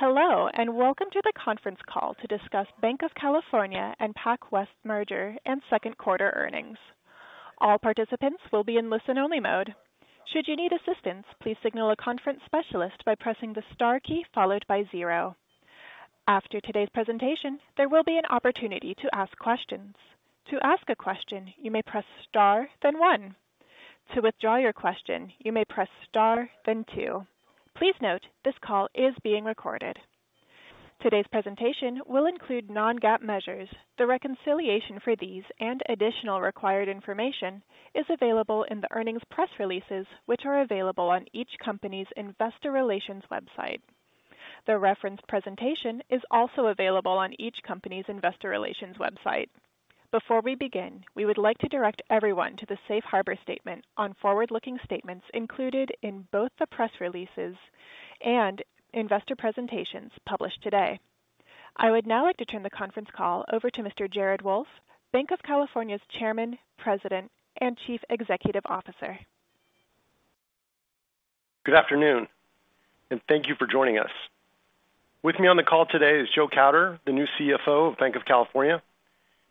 Hello, welcome to the conference call to discuss Banc of California and PacWest merger and second quarter earnings. All participants will be in listen-only mode. I would now like to turn the conference call over to Mr. Jared Wolff, Banc of California's Chairman, President, and Chief Executive Officer. Good afternoon, thank you for joining us. With me on the call today is Joe Kauder, the new CFO of Banc of California,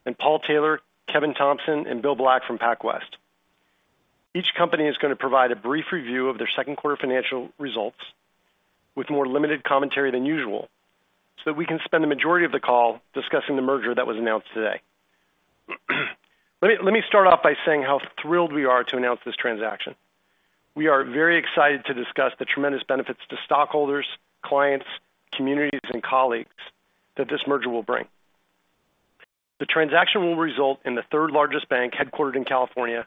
and Paul Taylor, Kevin Thompson, and Bill Black from PacWest. Each company is going to provide a brief review of their second quarter financial results with more limited commentary than usual, so that we can spend the majority of the call discussing the merger that was announced today. Let me start off by saying how thrilled we are to announce this transaction. We are very excited to discuss the tremendous benefits to stockholders, clients, communities, and colleagues that this merger will bring. The transaction will result in the third-largest bank headquartered in California,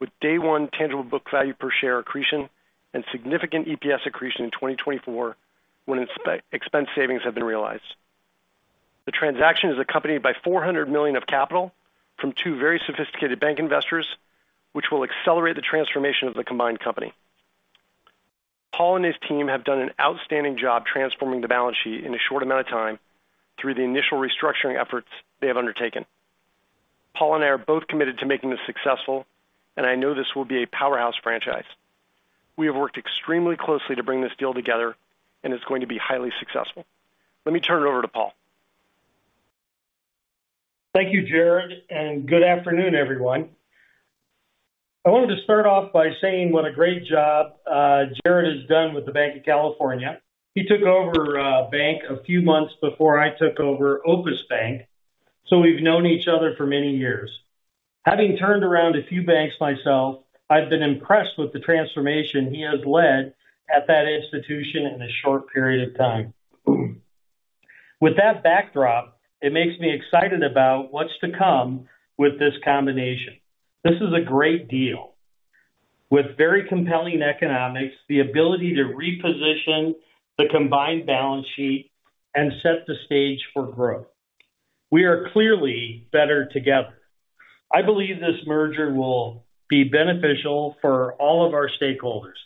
with day one tangible book value per share accretion and significant EPS accretion in 2024, when expense savings have been realized. The transaction is accompanied by $400 million of capital from two very sophisticated bank investors, which will accelerate the transformation of the combined company. Paul and his team have done an outstanding job transforming the balance sheet in a short amount of time through the initial restructuring efforts they have undertaken. Paul and I are both committed to making this successful, and I know this will be a powerhouse franchise. We have worked extremely closely to bring this deal together, and it's going to be highly successful. Let me turn it over to Paul. Thank you, Jared. Good afternoon, everyone. I wanted to start off by saying what a great job Jared has done with the Banc of California. He took over bank a few months before I took over Opus Bank, so we've known each other for many years. Having turned around a few banks myself, I've been impressed with the transformation he has led at that institution in a short period of time. With that backdrop, it makes me excited about what's to come with this combination. This is a great deal. With very compelling economics, the ability to reposition the combined balance sheet and set the stage for growth. We are clearly better together. I believe this merger will be beneficial for all of our stakeholders,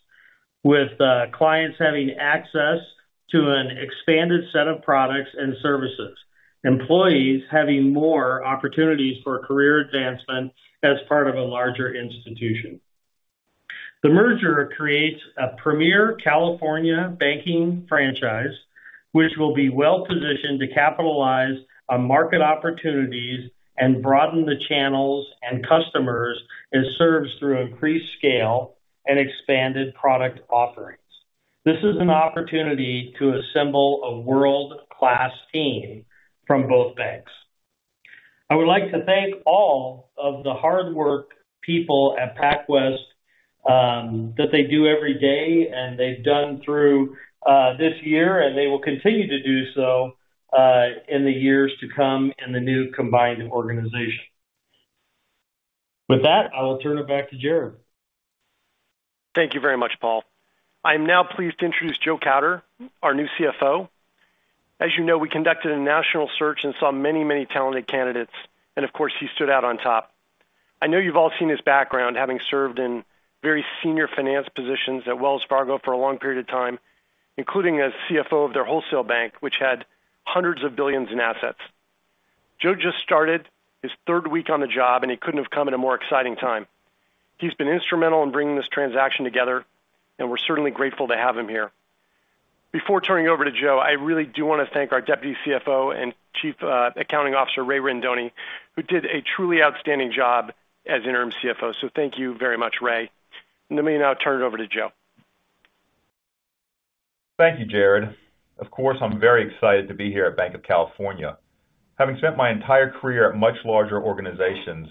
with clients having access to an expanded set of products and services, employees having more opportunities for career advancement as part of a larger institution. The merger creates a premier California banking franchise, which will be well-positioned to capitalize on market opportunities and broaden the channels and customers it serves through increased scale and expanded product offerings. This is an opportunity to assemble a world-class team from both banks. I would like to thank of the hard work people at PacWest, that they do every day, and they've done through this year, and they will continue to do so in the years to come in the new combined organization. With that, I will turn it back to Jared. Thank you very much, Paul. I'm now pleased to introduce Joe Kauder, our new CFO. As you know, we conducted a national search and saw many, many talented candidates. Of course, he stood out on top. I know you've all seen his background, having served in very senior finance positions at Wells Fargo for a long period of time, including as CFO of their wholesale bank, which had hundreds of billions in assets. Joe just started his third week on the job. He couldn't have come at a more exciting time. He's been instrumental in bringing this transaction together. We're certainly grateful to have him here. Before turning it over to Joe, I really do want to thank our Deputy CFO and Chief Accounting Officer, Ray Rendon, who did a truly outstanding job as Interim CFO. Thank you very much, Ray. Let me now turn it over to Joe. Thank you, Jared. Of course, I'm very excited to be here at Banc of California. Having spent my entire career at much larger organizations,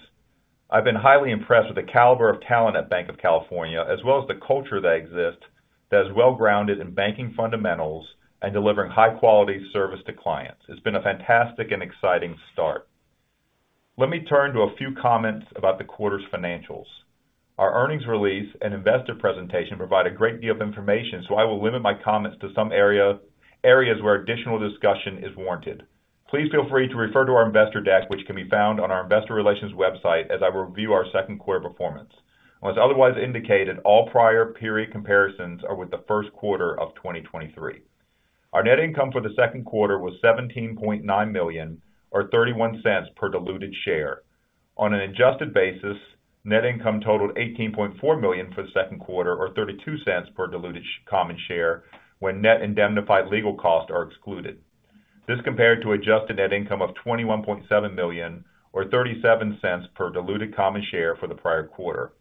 I've been highly impressed with the caliber of talent at Banc of California, as well as the culture that exists that is well-grounded in banking fundamentals and delivering high-quality service to clients. It's been a fantastic and exciting start. Let me turn to a few comments about the quarter's financials. Our earnings release and investor presentation provide a great deal of information, so I will limit my comments to some areas where additional discussion is warranted. Please feel free to refer to our investor deck, which can be found on our investor relations website, as I review our second quarter performance. Unless otherwise indicated, all prior period comparisons are with the first quarter of 2023. Our net income for the second quarter was $17.9 million, or $0.31 per diluted share. On an adjusted basis, net income totaled $18.4 million for the second quarter, or $0.32 per diluted common share, when net indemnified legal costs are excluded. This compared to adjusted net income of $21.7 million, or $0.37 per diluted common share for the prior quarter.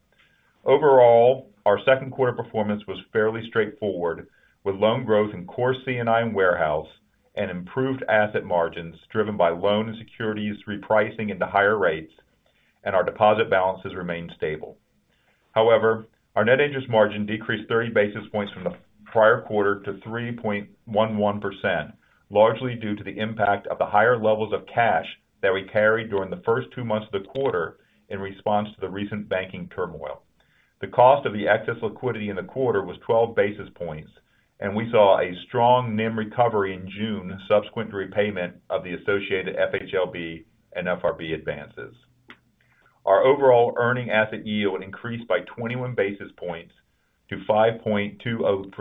Overall, our second quarter performance was fairly straightforward, with loan growth in core C&I and warehouse, and improved asset margins driven by loan and securities repricing into higher rates, and our deposit balances remained stable. Our net interest margin decreased 30 basis points from the prior quarter to 3.11%, largely due to the impact of the higher levels of cash that we carried during the first two months of the quarter in response to the recent banking turmoil. The cost of the excess liquidity in the quarter was 12 basis points, and we saw a strong NIM recovery in June, subsequent to repayment of the associated FHLB and FRB advances. Our overall earning asset yield increased by 21 basis points to 5.20%.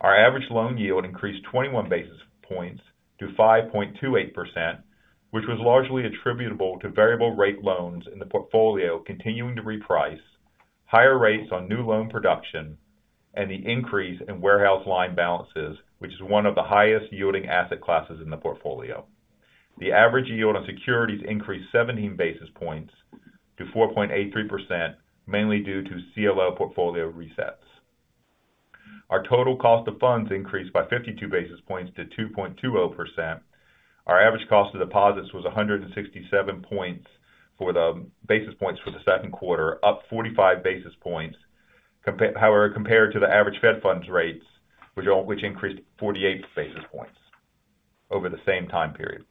Our average loan yield increased 21 basis points to 5.28%, which was largely attributable to variable rate loans in the portfolio continuing to reprice, higher rates on new loan production, and the increase in warehouse line balances, which is one of the highest yielding asset classes in the portfolio. The average yield on securities increased 17 basis points to 4.83%, mainly due to CLO portfolio resets. Our total cost of funds increased by 52 basis points to 2.20%. Our average cost of deposits was 167 basis points for the second quarter, up 45 basis points. However, compared to the average fed funds rates, which increased 48 basis points over the same time period.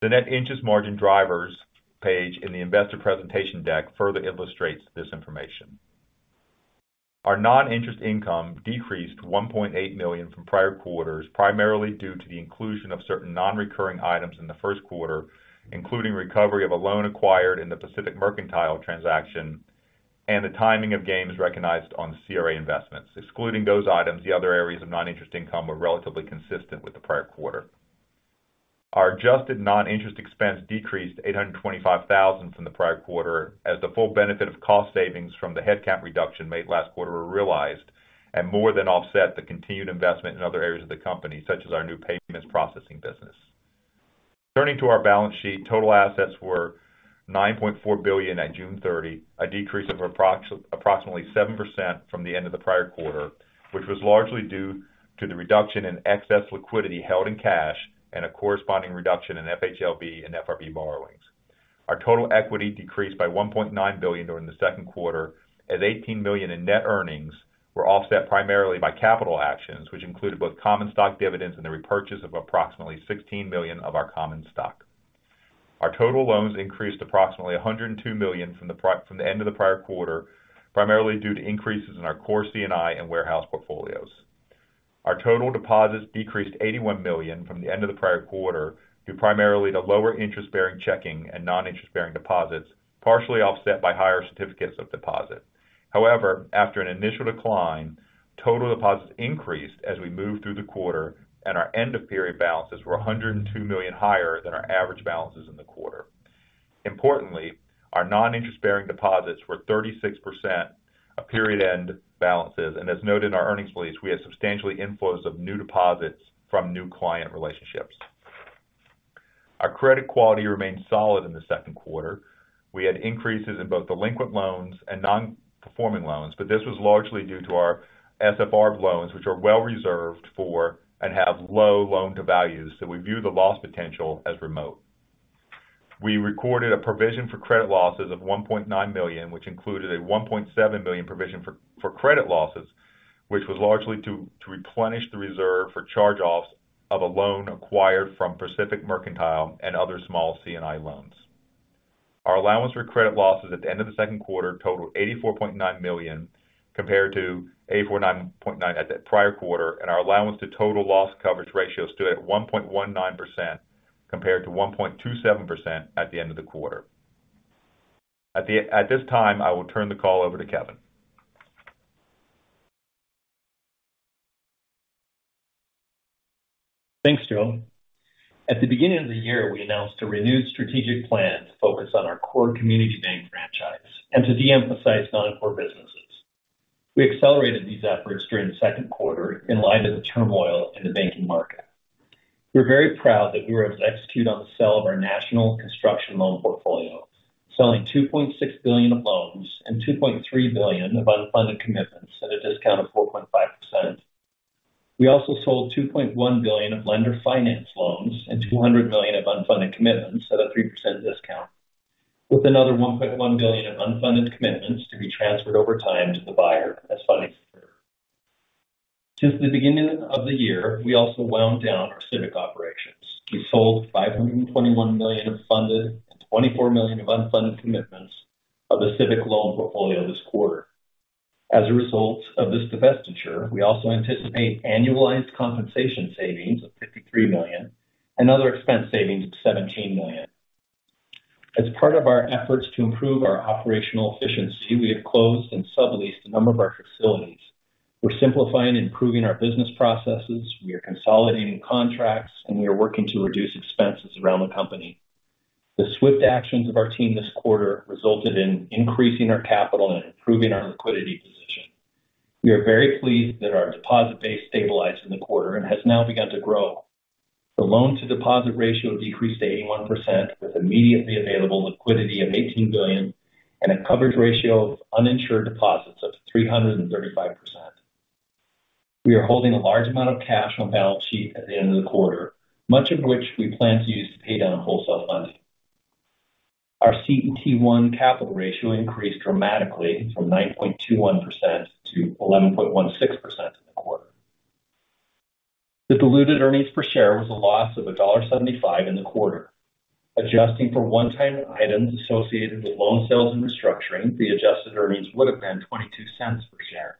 The net interest margin drivers page in the investor presentation deck further illustrates this information. Our non-interest income decreased to $1.8 million from prior quarters, primarily due to the inclusion of certain non-recurring items in the first quarter, including recovery of a loan acquired in the Pacific Mercantile transaction and the timing of gains recognized on the CRA investments. Excluding those items, the other areas of non-interest income were relatively consistent with the prior quarter. Our adjusted non-interest expense decreased to $825,000 from the prior quarter, as the full benefit of cost savings from the headcount reduction made last quarter were realized and more than offset the continued investment in other areas of the company, such as our new payments processing business. Turning to our balance sheet, total assets were $9.4 billion at June 30, a decrease of approximately 7% from the end of the prior quarter, which was largely due to the reduction in excess liquidity held in cash and a corresponding reduction in FHLB and FRB borrowings. Our total equity decreased by $1.9 billion during the second quarter, as $18 million in net earnings were offset primarily by capital actions, which included both common stock dividends and the repurchase of approximately $16 million of our common stock. Our total loans increased approximately $102 million from the end of the prior quarter, primarily due to increases in our core C&I and warehouse portfolios. Our total deposits decreased $81 million from the end of the prior quarter, due primarily to lower interest-bearing checking and non-interest-bearing deposits, partially offset by higher certificates of deposit. After an initial decline, total deposits increased as we moved through the quarter, and our end-of-period balances were $102 million higher than our average balances in the quarter. Importantly, our non-interest-bearing deposits were 36% of period-end balances. As noted in our earnings release, we had substantial inflows of new deposits from new client relationships. Our credit quality remained solid in the second quarter. We had increases in both delinquent loans and non-performing loans. This was largely due to our SFR loans, which are well reserved for and have low loan to values. We view the loss potential as remote. We recorded a provision for credit losses of $1.9 million, which included a $1.7 million provision for credit losses, which was largely to replenish the reserve for charge-offs of a loan acquired from Pacific Mercantile and other small C&I loans. Our allowance for credit losses at the end of the second quarter totaled $84.9 million, compared to $8.9 million at the prior quarter. Our allowance to total loss coverage ratio stood at 1.19%, compared to 1.27% at the end of the quarter. At this time, I will turn the call over to Kevin. Thanks, Joe. At the beginning of the year, we announced a renewed strategic plan to focus on our core community bank franchise and to de-emphasize non-core businesses. We accelerated these efforts during the second quarter in light of the turmoil in the banking market. We're very proud that we were able to execute on the sale of our national construction loan portfolio, selling $2.6 billion of loans and $2.3 billion of unfunded commitments at a discount of 4.5%. We also sold $2.1 billion of lender finance loans and $200 million of unfunded commitments at a 3% discount, with another $1.1 billion of unfunded commitments to be transferred over time to the buyer as funding occurs. Since the beginning of the year, we also wound down our civic operations. We sold $521 million of funded and $24 million of unfunded commitments of the civic loan portfolio this quarter. As a result of this divestiture, we also anticipate annualized compensation savings of $53 million and other expense savings of $17 million. As part of our efforts to improve our operational efficiency, we have closed and subleased a number of our facilities. We're simplifying and improving our business processes, we are consolidating contracts, and we are working to reduce expenses around the company. The swift actions of our team this quarter resulted in increasing our capital and improving our liquidity position. We are very pleased that our deposit base stabilized in the quarter and has now begun to grow. The loan-to-deposit ratio decreased to 81%, with immediately available liquidity of $18 billion, and a coverage ratio of uninsured deposits of 335%. We are holding a large amount of cash on the balance sheet at the end of the quarter, much of which we plan to use to pay down wholesale funding. Our CET1 capital ratio increased dramatically from 9.21% to 11.16% in the quarter. The diluted earnings per share was a loss of $1.75 in the quarter. Adjusting for one-time items associated with loan sales and restructuring, the adjusted earnings would have been $0.22 per share,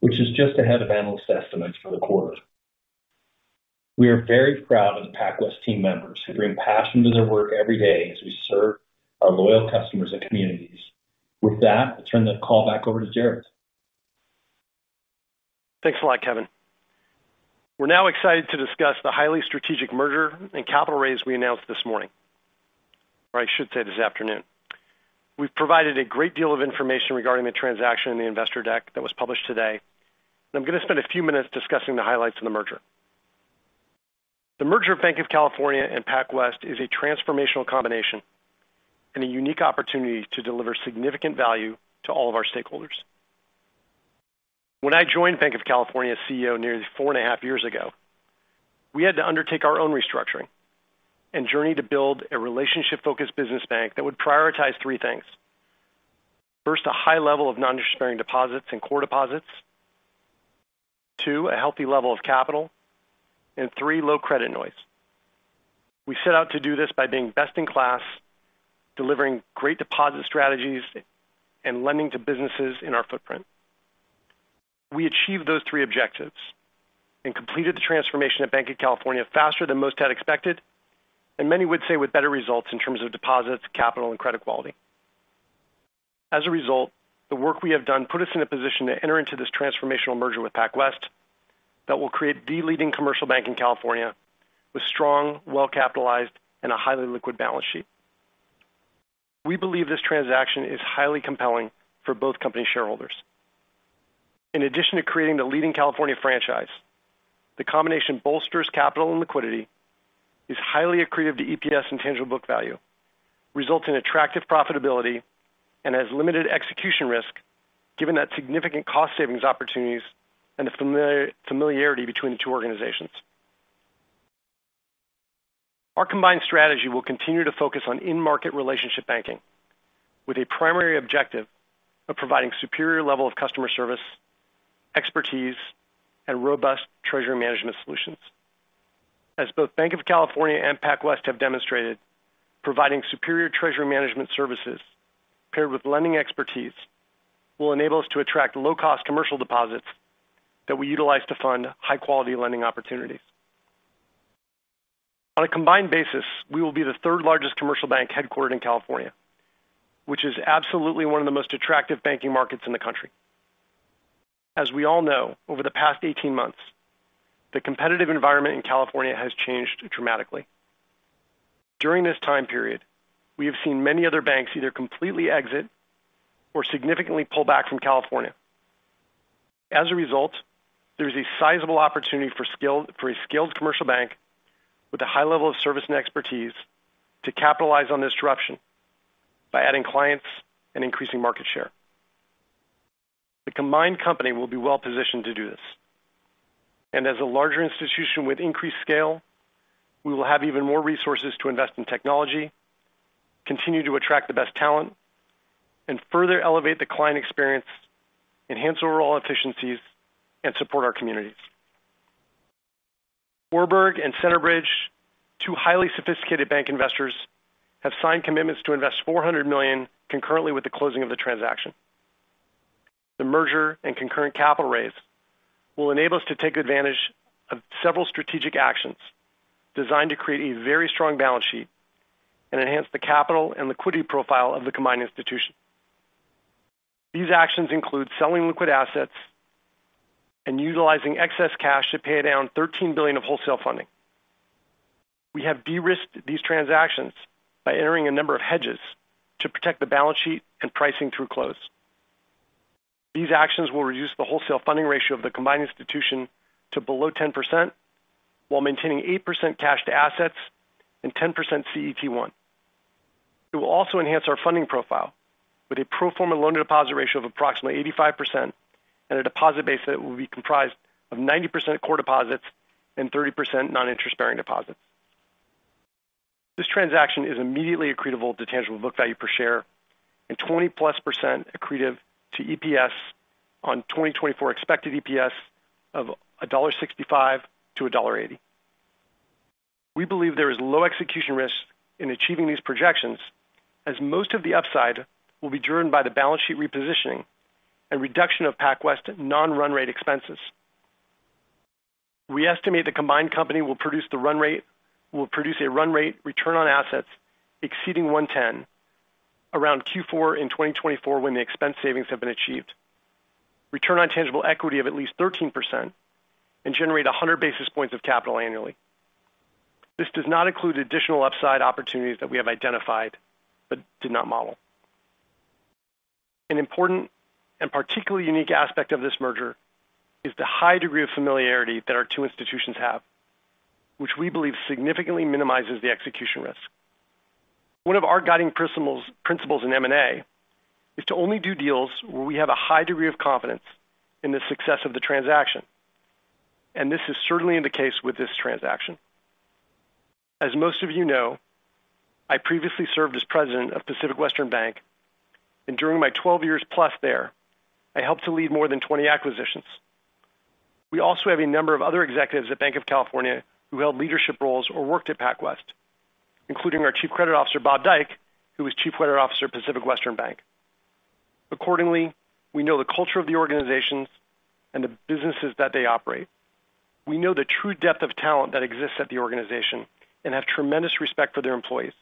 which is just ahead of analyst estimates for the quarter. We are very proud of the PacWest team members who bring passion to their work every day as we serve our loyal customers and communities. With that, I'll turn the call back over to Jared. Thanks a lot, Kevin. We're now excited to discuss the highly strategic merger and capital raise we announced this morning, or I should say this afternoon. We've provided a great deal of information regarding the transaction in the investor deck that was published today. I'm going to spend a few minutes discussing the highlights of the merger. The merger of Banc of California and PacWest is a transformational combination and a unique opportunity to deliver significant value to all of our stakeholders. When I joined Banc of California as CEO nearly four and a half years ago, we had to undertake our own restructuring and journey to build a relationship-focused business bank that would prioritize three things. First, a high level of non-interest-bearing deposits and core deposits. Two, a healthy level of capital, and three, low credit noise. We set out to do this by being best in class, delivering great deposit strategies and lending to businesses in our footprint. We achieved those three objectives and completed the transformation at Banc of California faster than most had expected, and many would say with better results in terms of deposits, capital, and credit quality. As a result, the work we have done put us in a position to enter into this transformational merger with PacWest that will create the leading commercial bank in California with strong, well-capitalized, and a highly liquid balance sheet. We believe this transaction is highly compelling for both company shareholders. In addition to creating the leading California franchise, the combination bolsters capital and liquidity, is highly accretive to EPS and tangible book value, results in attractive profitability, and has limited execution risk, given that significant cost savings opportunities and the familiarity between the two organizations. Our combined strategy will continue to focus on in-market relationship banking, with a primary objective of providing superior level of customer service, expertise, and robust treasury management solutions. As both Banc of California and PacWest have demonstrated, providing superior treasury management services paired with lending expertise will enable us to attract low-cost commercial deposits that we utilize to fund high-quality lending opportunities. On a combined basis, we will be the third-largest commercial bank headquartered in California, which is absolutely one of the most attractive banking markets in the country. As we all know, over the past 18 months, the competitive environment in California has changed dramatically. During this time period, we have seen many other banks either completely exit or significantly pull back from California. As a result, there is a sizable opportunity for a skilled commercial bank with a high level of service and expertise to capitalize on this disruption by adding clients and increasing market share. As a larger institution with increased scale, we will have even more resources to invest in technology, continue to attract the best talent, and further elevate the client experience, enhance overall efficiencies, and support our communities. Warburg and Centerbridge, two highly sophisticated bank investors, have signed commitments to invest $400 million concurrently with the closing of the transaction. The merger and concurrent capital raise will enable us to take advantage of several strategic actions designed to create a very strong balance sheet and enhance the capital and liquidity profile of the combined institution. These actions include selling liquid assets and utilizing excess cash to pay down $13 billion of wholesale funding. We have de-risked these transactions by entering a number of hedges to protect the balance sheet and pricing through close. These actions will reduce the wholesale funding ratio of the combined institution to below 10%, while maintaining 8% cash to assets and 10% CET1. It will also enhance our funding profile with a pro forma loan-to-deposit ratio of approximately 85% and a deposit base that will be comprised of 90% core deposits and 30% non-interest-bearing deposits. This transaction is immediately accretable to tangible book value per share and 20%+ accretive to EPS on 2024 expected EPS of $1.65-$1.80. We believe there is low execution risk in achieving these projections, as most of the upside will be driven by the balance sheet repositioning and reduction of PacWest non-run rate expenses. We estimate the combined company will produce a run rate return on assets exceeding 1.10% around the fourth quarter in 2024, when the expense savings have been achieved. Return on tangible equity of at least 13% and generate 100 basis points of capital annually. This does not include additional upside opportunities that we have identified but did not model. An important and particularly unique aspect of this merger is the high degree of familiarity that our two institutions have, which we believe significantly minimizes the execution risk. One of our guiding principles in M&A is to only do deals where we have a high degree of confidence in the success of the transaction, and this is certainly in the case with this transaction. As most of you know, I previously served as president of Pacific Western Bank, and during my 12 years plus there, I helped to lead more than 20 acquisitions. We also have a number of other executives at Banc of California who held leadership roles or worked at PacWest, including our Chief Credit Officer, Bob Dyke, who was Chief Credit Officer at Pacific Western Bank. Accordingly, we know the culture of the organizations and the businesses that they operate. We know the true depth of talent that exists at the organization and have tremendous respect for their employees.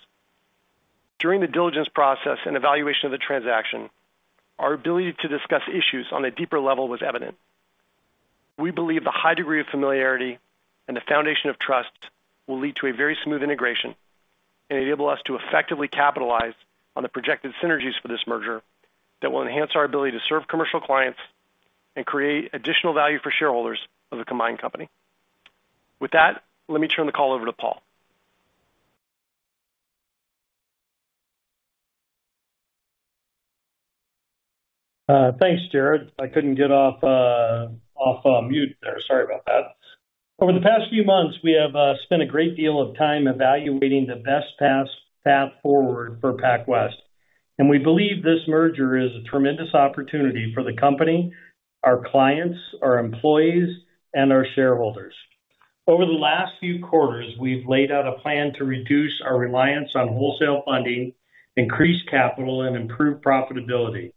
During the diligence process and evaluation of the transaction, our ability to discuss issues on a deeper level was evident. We believe the high degree of familiarity and the foundation of trust will lead to a very smooth integration and enable us to effectively capitalize on the projected synergies for this merger that will enhance our ability to serve commercial clients and create additional value for shareholders of the combined company. With that, let me turn the call over to Paul. Thanks, Jared. I couldn't get off mute there. Sorry about that. Over the past few months, we have spent a great deal of time evaluating the best path forward for PacWest, we believe this merger is a tremendous opportunity for the company, our clients, our employees, and our shareholders. Over the last few quarters, we've laid out a plan to reduce our reliance on wholesale funding, increase capital, and improve profitability.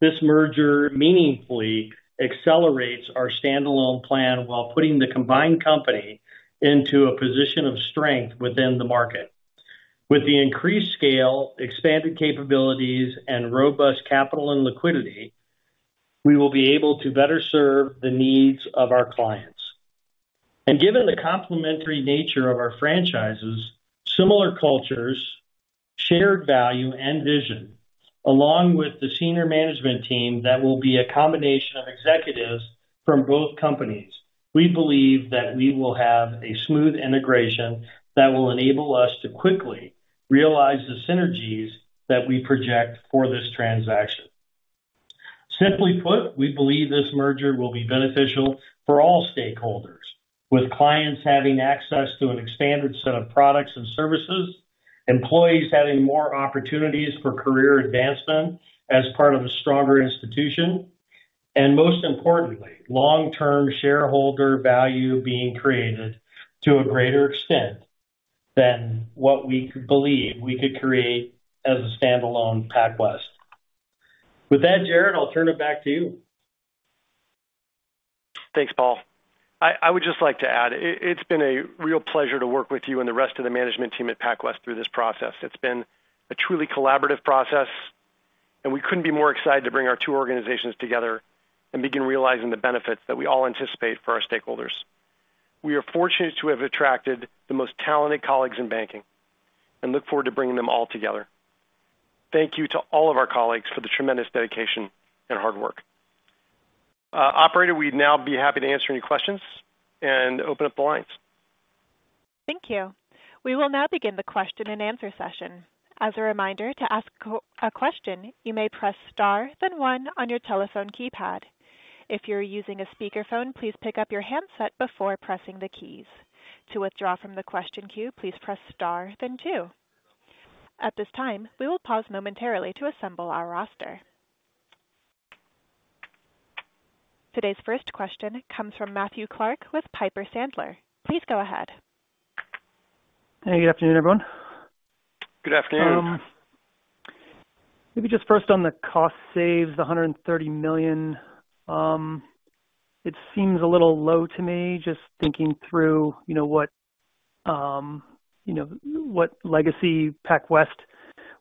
This merger, meaningfully accelerates our standalone plan while putting the combined company into a position of strength within the market. With the increased scale, expanded capabilities, and robust capital and liquidity, we will be able to better serve the needs of our clients. Given the complementary nature of our franchises, similar cultures, shared value and vision, along with the senior management team, that will be a combination of executives from both companies. We believe that we will have a smooth integration that will enable us to quickly realize the synergies that we project for this transaction. Simply put, we believe this merger will be beneficial for all stakeholders, with clients having access to an expanded set of products and services, employees having more opportunities for career advancement as part of a stronger institution, and most importantly, long-term shareholder value being created to a greater extent than what we could believe we could create as a standalone PacWest. With that, Jared, I'll turn it back to you. Thanks, Paul. I would just like to add, it's been a real pleasure to work with you and the rest of the management team at PacWest through this process. It's been a truly collaborative process, and we couldn't be more excited to bring our two organizations together and begin realizing the benefits that we all anticipate for our stakeholders. We are fortunate to have attracted the most talented colleagues in banking and look forward to bringing them all together. Thank you to all of our colleagues for the tremendous dedication and hard work. Operator, we'd now be happy to answer any questions and open up the lines. Thank you. We will now begin the question and answer session. Today's first question comes from Matthew Clark with Piper Sandler. Please go ahead. Hey, good afternoon, everyone. Good afternoon. Maybe just first on the cost saves, the $130 million. It seems a little low to me, just thinking through, you know, what, you know, what legacy PacWest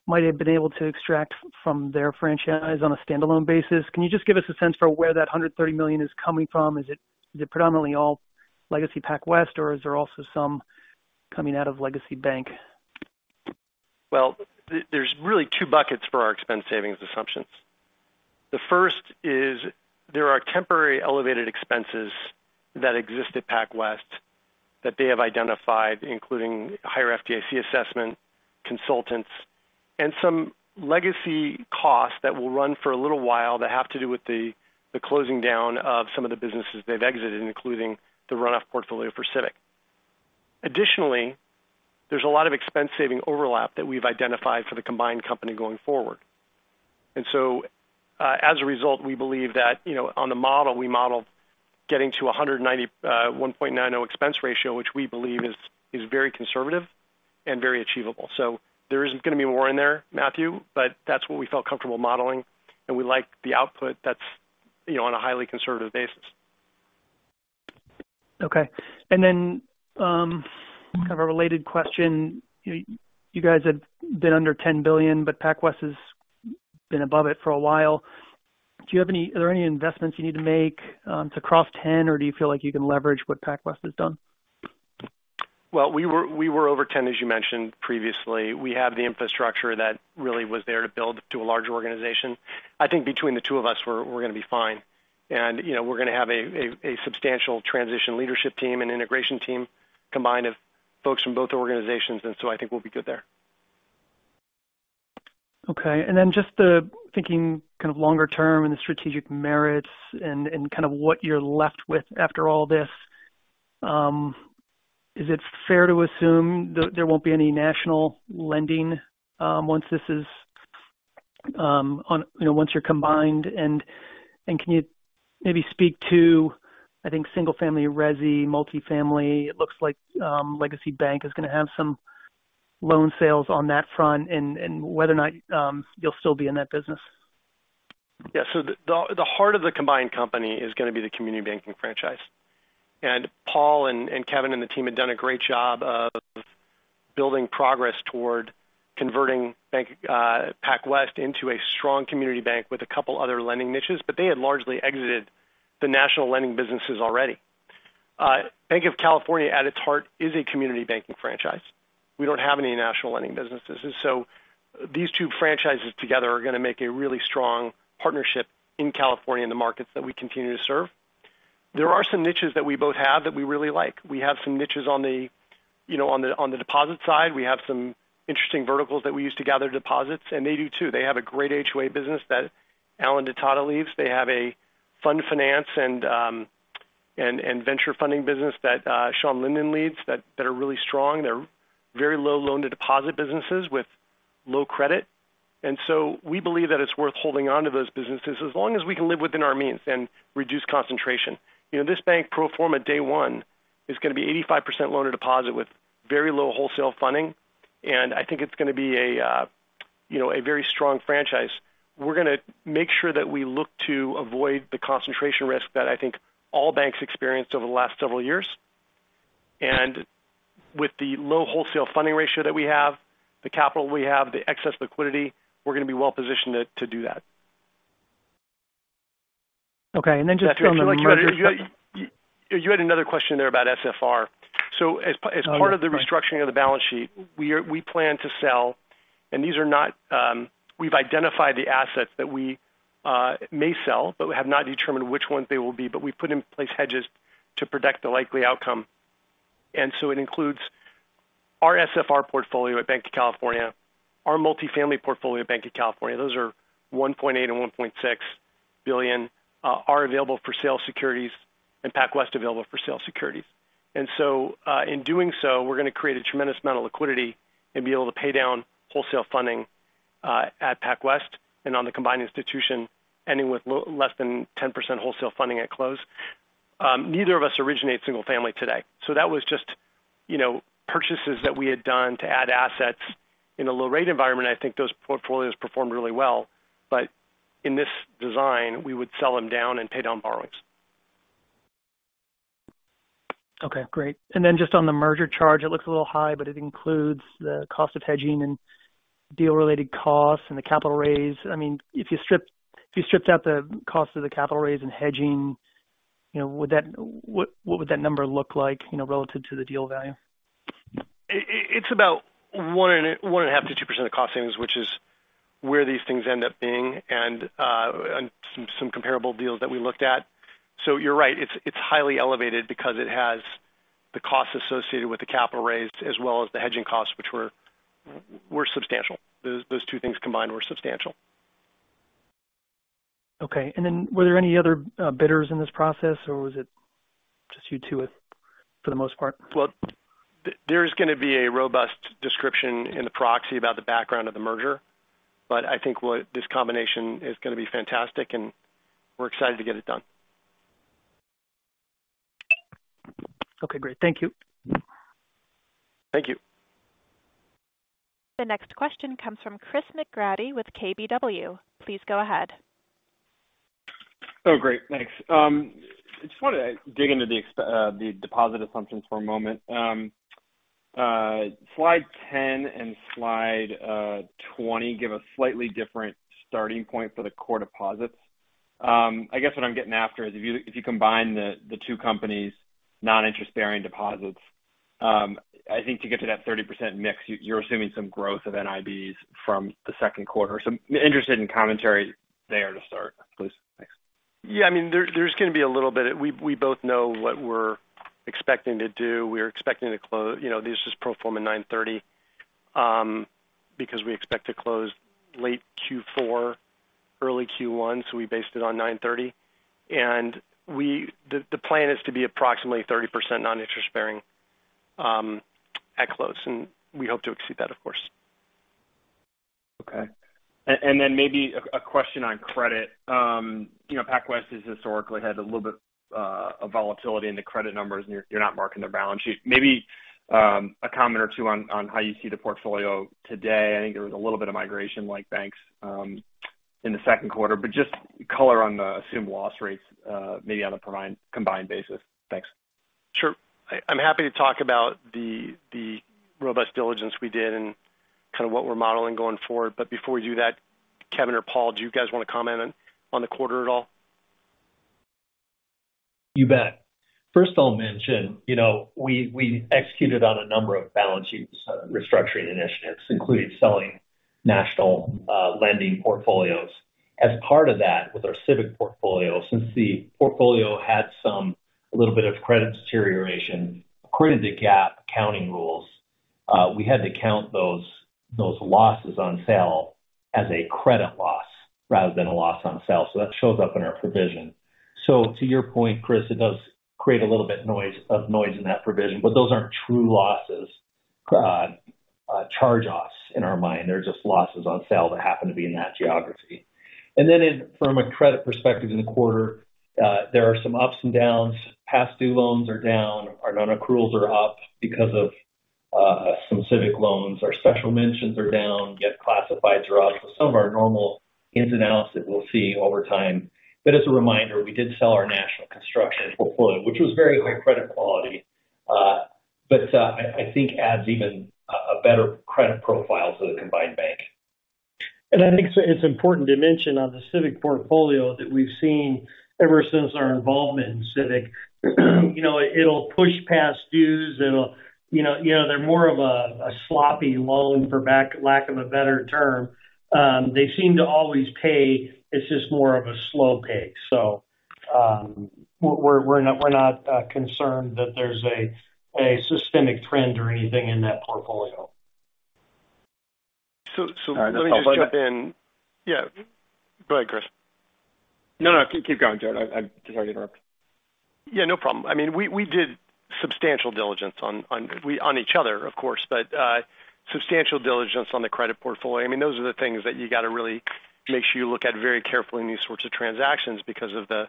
might have been able to extract from their franchise on a standalone basis. Can you just give us a sense for where that $130 million is coming from? Is it predominantly all legacy PacWest, or is there also some coming out of Legacy Bank? There's really two buckets for our expense savings assumptions. The first is there are temporary elevated expenses that exist at PacWest that they have identified, including higher FDIC assessment, consultants, and some legacy costs that will run for a little while, that have to do with the closing down of some of the businesses they've exited, including the run-off portfolio for Civic. Additionally, there's a lot of expense-saving overlap that we've identified for the combined company going forward. As a result, we believe that, you know, on the model, we model getting to a 1.90% expense ratio, which we believe is very conservative and very achievable. There isn't going to be more in there, Matthew, but that's what we felt comfortable modeling, and we like the output that's, you know, on a highly conservative basis. Okay. Kind of a related question. You guys have been under $10 billion, but PacWest has been above it for a while. Are there any investments you need to make to cross 10, or do you feel like you can leverage what PacWest has done? Well, we were over 10, as you mentioned previously. We have the infrastructure that really was there to build to a larger organization. I think between the two of us, we're going to be fine. you know, we're going to have a substantial transition leadership team and integration team combined of folks from both organizations. I think we'll be good there. Okay. Just the thinking kind of longer term and the strategic merits and kind of what you're left with after all this. Is it fair to assume that there won't be any national lending, once this is You know, once you're combined? Can you maybe speak to, I think, single-family resi, multifamily, it looks like, Legacy Bank is going to have some loan sales on that front and whether or not, you'll still be in that business. The, the heart of the combined company is going to be the community banking franchise. Paul and Kevin and the team have done a great job of building progress toward converting bank PacWest into a strong community bank with a couple other lending niches, but they had largely exited the national lending businesses already. Banc of California, at its heart, is a community banking franchise. We don't have any national lending businesses. These two franchises together are going to make a really strong partnership in California, in the markets that we continue to serve. There are some niches that we both have that we really like. We have some niches on the, you know, on the, on the deposit side. We have some interesting verticals that we use to gather deposits, and they do, too. They have a great HOA business that Alan DeTata leads. They have a fund finance and venture funding business that Sean Lynden leads, that are really strong. They're very low loan-to-deposit businesses with low credit. We believe that it's worth holding on to those businesses as long as we can live within our means and reduce concentration. You know, this bank pro forma day one is going to be 85% loan-to-deposit with very low wholesale funding, and I think it's going to be a, you know, a very strong franchise. We're going to make sure that we look to avoid the concentration risk that I think all banks experienced over the last several years. With the low wholesale funding ratio that we have, the capital we have, the excess liquidity, we're going to be well positioned to do that. Okay. You had another question there about SFR. Oh, right. As part of the restructuring of the balance sheet, we plan to sell. These are not, we've identified the assets that we may sell, but we have not determined which ones they will be, but we've put in place hedges to protect the likely outcome. It includes our SFR portfolio at Banc of California, our multifamily portfolio at Banc of California. Those are $1.8 and $1.6 billion, are available for sale securities and PacWest available for sale securities. In doing so, we're going to create a tremendous amount of liquidity and be able to pay down wholesale funding at PacWest and on the combined institution, ending with less than 10% wholesale funding at close. Neither of us originate single family today, so that was just, you know, purchases that we had done to add assets. In a low rate environment, I think those portfolios performed really well. In this design, we would sell them down and pay down borrowings. Okay, great. Then just on the merger charge, it looks a little high, but it includes the cost of hedging and deal-related costs and the capital raise. I mean, if you stripped out the cost of the capital raise and hedging, you know, what would that number look like, you know, relative to the deal value? It's about 1.5%-2% of the cost savings, which is where these things end up being and some comparable deals that we looked at. You're right, it's highly elevated because it has the costs associated with the capital raise as well as the hedging costs, which were substantial. Those two things combined were substantial. Okay. Were there any other bidders in this process, or was it just you two with for the most part? Well, there's going to be a robust description in the proxy about the background of the merger, but I think this combination is going to be fantastic, and we're excited to get it done. Okay, great. Thank you. Thank you. The next question comes from Chris McGraty with KBW. Please go ahead. Oh, great. Thanks. I just want to dig into the deposit assumptions for a moment. Slide 10 and slide 20 give a slightly different starting point for the core deposits. I guess what I'm getting after is if you combine the two companies' non-interest-bearing deposits, I think to get to that 30% mix, you're assuming some growth of NIBs from the second quarter. I'm interested in commentary there to start, please. Thanks. Yeah, I mean, there's going to be a little bit. We both know what we're expecting to do. We're expecting to you know, this is pro forma 9/30, because we expect to close late fourth quarter, early quarter one, so we based it on 9/30. The plan is to be approximately 30% non-interest-bearing, at close, and we hope to exceed that, of course. Okay. Then maybe a question on credit. You know, PacWest has historically had a little bit of volatility in the credit numbers, and you're not marking their balance sheet. Maybe a comment or two on how you see the portfolio today. I think there was a little bit of migration like banks in the second quarter, but just color on the assumed loss rates, maybe on a combined basis. Thanks. Sure. I'm happy to talk about the robust diligence we did and kind of what we're modeling going forward. Before we do that, Kevin or Paul, do you guys want to comment on the quarter at all? You bet. First, I'll mention, you know, we executed on a number of balance sheet restructuring initiatives, including selling national lending portfolios. As part of that, with our civic portfolio, since the portfolio had some, a little bit of credit deterioration, according to GAAP accounting rules, we had to count those losses on sale as a credit loss rather than a loss on sale. That shows up in our provision. To your point, Chris, it does create a little bit of noise in that provision, but those aren't true losses, charge loss in our mind. They're just losses on sale that happen to be in that geography. From a credit perspective, in the quarter, there are some ups and downs. Past due loans are down, our non-accruals are up because of some civic loans. Our special mentions are down, yet classifieds are up. Some of our normal ins and outs that we'll see over time. As a reminder, we did sell our national construction portfolio, which was very high credit quality, but I think adds even a better credit profile to the combined bank. I think it's important to mention on the civic portfolio that we've seen ever since our involvement in civic, you know, it'll push past dues. It'll, you know, they're more of a sloppy loan, for lack of a better term. They seem to always pay. It's just more of a slow pay. We're not, we're not concerned that there's a systemic trend or anything in that portfolio. Let me just jump in. All right. Yeah. Go ahead, Chris. No, no, keep going, Jared. I'm sorry to interrupt. Yeah, no problem. I mean, we did substantial diligence on each other, of course, but substantial diligence on the credit portfolio. I mean, those are the things that you got to really make sure you look at very carefully in these sorts of transactions because of the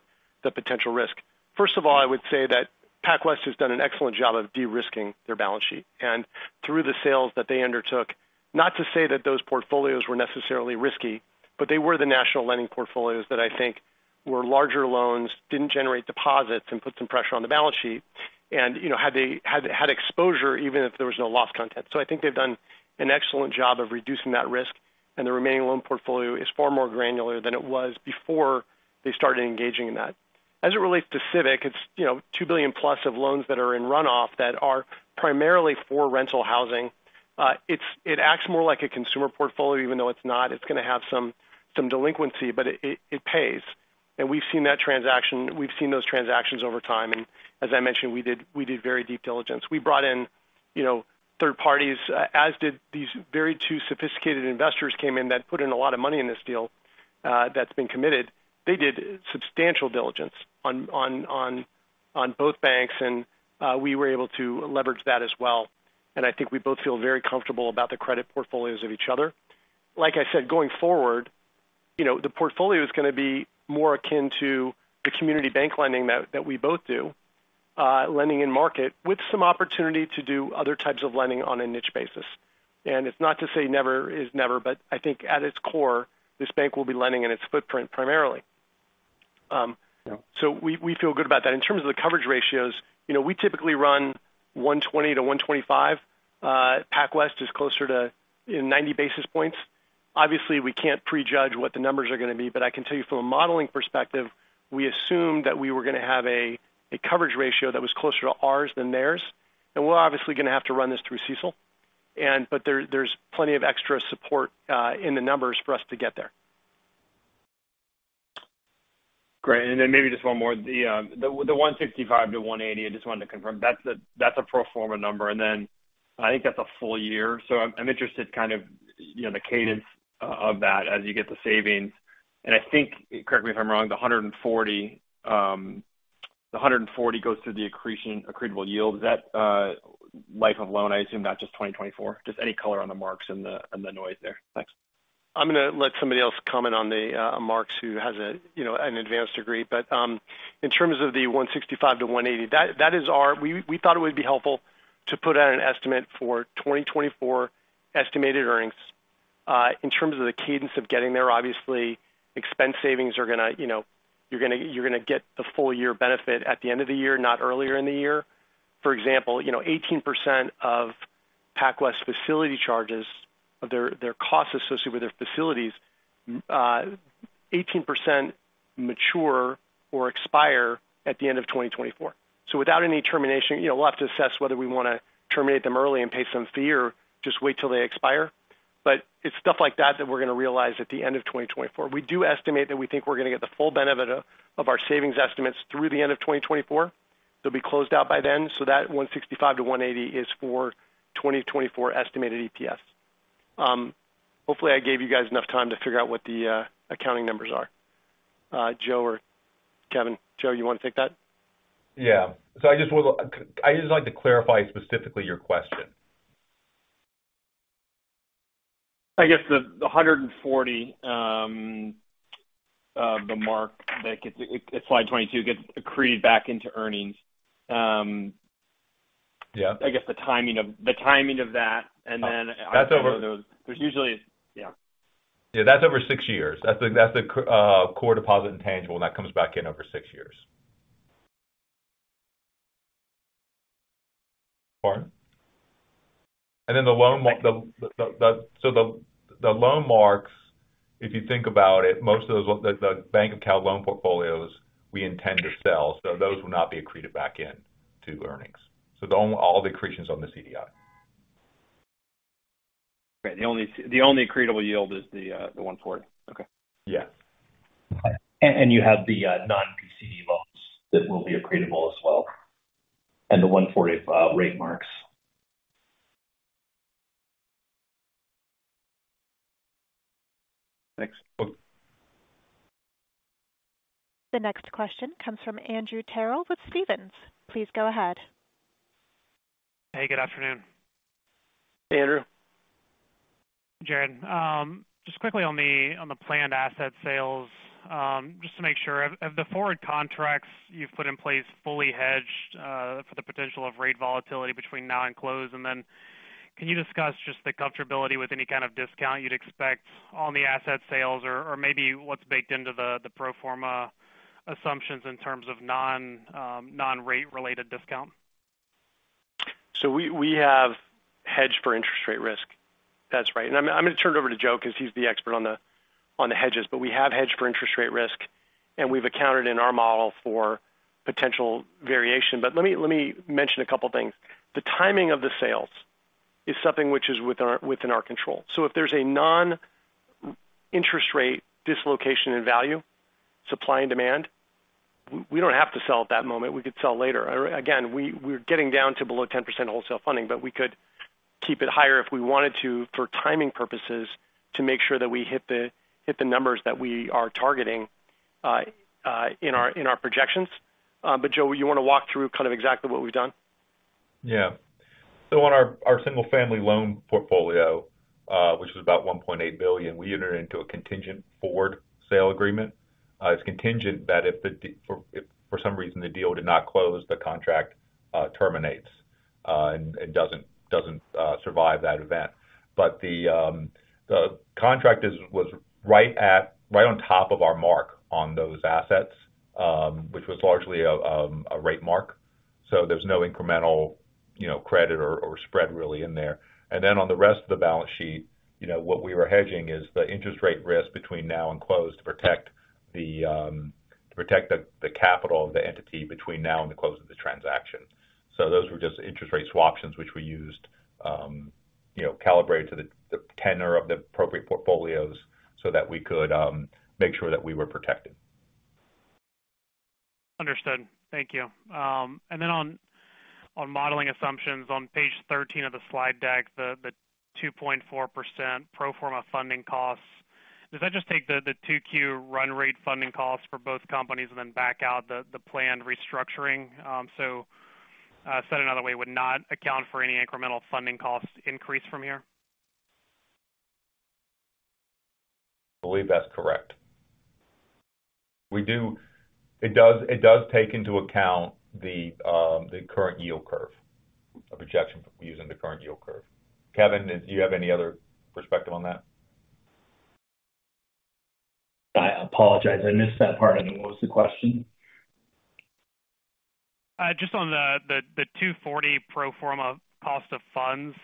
potential risk. First of all, I would say that PacWest has done an excellent job of de-risking their balance sheet and through the sales that they undertook. Not to say that those portfolios were necessarily risky, but they were the national lending portfolios that I think were larger loans, didn't generate deposits and put some pressure on the balance sheet. You know, had exposure even if there was no loss content. I think they've done an excellent job of reducing that risk, and the remaining loan portfolio is far more granular than it was before they started engaging in that. As it relates to Civic, it's, you know, $2 billion plus of loans that are in runoff that are primarily for rental housing. It acts more like a consumer portfolio, even though it's not. It's going to have some delinquency, but it pays. We've seen those transactions over time, and as I mentioned, we did very deep diligence. We brought in, you know, third parties, as did these very two sophisticated investors came in that put in a lot of money in this deal that's been committed. They did substantial diligence on both banks, we were able to leverage that as well. I think we both feel very comfortable about the credit portfolios of each other. Like I said, going forward, you know, the portfolio is gonna be more akin to the community bank lending that we both do, lending in market, with some opportunity to do other types of lending on a niche basis. It's not to say never is never, but I think at its core, this bank will be lending in its footprint primarily. We feel good about that. In terms of the coverage ratios, you know, we typically run $120-$125. PacWest is closer to, you know, 90 basis points. Obviously, we can't prejudge what the numbers are gonna be, but I can tell you from a modeling perspective, we assumed that we were gonna have a coverage ratio that was closer to ours than theirs. We're obviously gonna have to run this through CECL. There's plenty of extra support in the numbers for us to get there. Great. Maybe just one more. The $165-$180, I just wanted to confirm. That's a pro forma number, and I think that's a full year. I'm interested kind of, you know, the cadence of that as you get the savings. I think, correct me if I'm wrong, the $140 goes through the accretion, accretable yield. Is that life of loan, I assume, not just 2024? Just any color on the marks and the noise there. Thanks. I'm gonna let somebody else comment on the marks, who has a, you know, an advanced degree. In terms of the $165-$180, We thought it would be helpful to put out an estimate for 2024 estimated earnings. In terms of the cadence of getting there, obviously, expense savings are gonna, you know, you're gonna get the full year benefit at the end of the year, not earlier in the year. For example, you know, 18% of PacWest's facility charges, their costs associated with their facilities, 18% mature or expire at the end of 2024. Without any termination, you know, we'll have to assess whether we wanna terminate them early and pay some fee or just wait till they expire. It's stuff like that that we're gonna realize at the end of 2024. We do estimate that we think we're gonna get the full benefit of our savings estimates through the end of 2024. They'll be closed out by then. That $165-$180 is for 2024 estimated EPS. Hopefully, I gave you guys enough time to figure out what the accounting numbers are. Joe or Kevin. Joe, you want to take that? Yeah. I'd just like to clarify specifically your question. I guess the 140, the mark that it's slide 22, gets accreted back into earnings. Yeah. I guess the timing of that. That's. There's usually, yeah. Yeah, that's over six years. That's the core deposit intangible, that comes back in over six years. Pardon? The loan marks, if you think about it, most of those, the Banc of Cal loan portfolios we intend to sell, those will not be accreted back in to earnings. All the accretion is on the CDI. Okay. The only accretable yield is the one forward. Okay. Yeah. You have the non-PCD loans that will be accretable as well, and the 145 rate marks. Thanks. Okay. The next question comes from Andrew Terrell with Stephens. Please go ahead. Hey, good afternoon. Hey, Andrew. Jared, just quickly on the planned asset sales. Just to make sure, have the forward contracts you've put in place fully hedged for the potential of rate volatility between now and close? Can you discuss just the comfortability with any kind of discount you'd expect on the asset sales or maybe what's baked into the pro forma assumptions in terms of non-rate related discount? We have hedged for interest rate risk. That's right. I'm going to turn it over to Joe because he's the expert on the hedges, but we have hedged for interest rate risk, and we've accounted in our model for potential variation. Let me mention a couple things. The timing of the sales is something which is within our control. If there's a non-interest rate dislocation in value, supply and demand, we don't have to sell at that moment. We could sell later. Again, we're getting down to below 10% wholesale funding, but we could keep it higher if we wanted to, for timing purposes, to make sure that we hit the numbers that we are targeting in our projections. Joe, you want to walk through kind of exactly what we've done? Yeah. On our single-family loan portfolio, which is about $1.8 billion, we entered into a contingent forward sale agreement. It's contingent that if for some reason, the deal did not close, the contract terminates, and doesn't survive that event. The contract was right at, right on top of our mark on those assets, which was largely a rate mark. There's no incremental, you know, credit or spread really in there. On the rest of the balance sheet, you know, what we were hedging is the interest rate risk between now and close to protect the capital of the entity between now and the close of the transaction. Those were just interest rate options, which we used, you know, calibrated to the tenor of the appropriate portfolios so that we could make sure that we were protected. Understood. Thank you. Then on modeling assumptions, on page 13 of the slide deck, the 2.4% pro forma funding costs, does that just take the second quarter run rate funding costs for both companies and then back out the planned restructuring? Said another way, would not account for any incremental funding cost increase from here? I believe that's correct. It does take into account the current yield curve of projection using the current yield curve. Kevin, do you have any other perspective on that? I apologize. I missed that part. I don't know, what was the question? Just on the 240 pro forma cost of funds,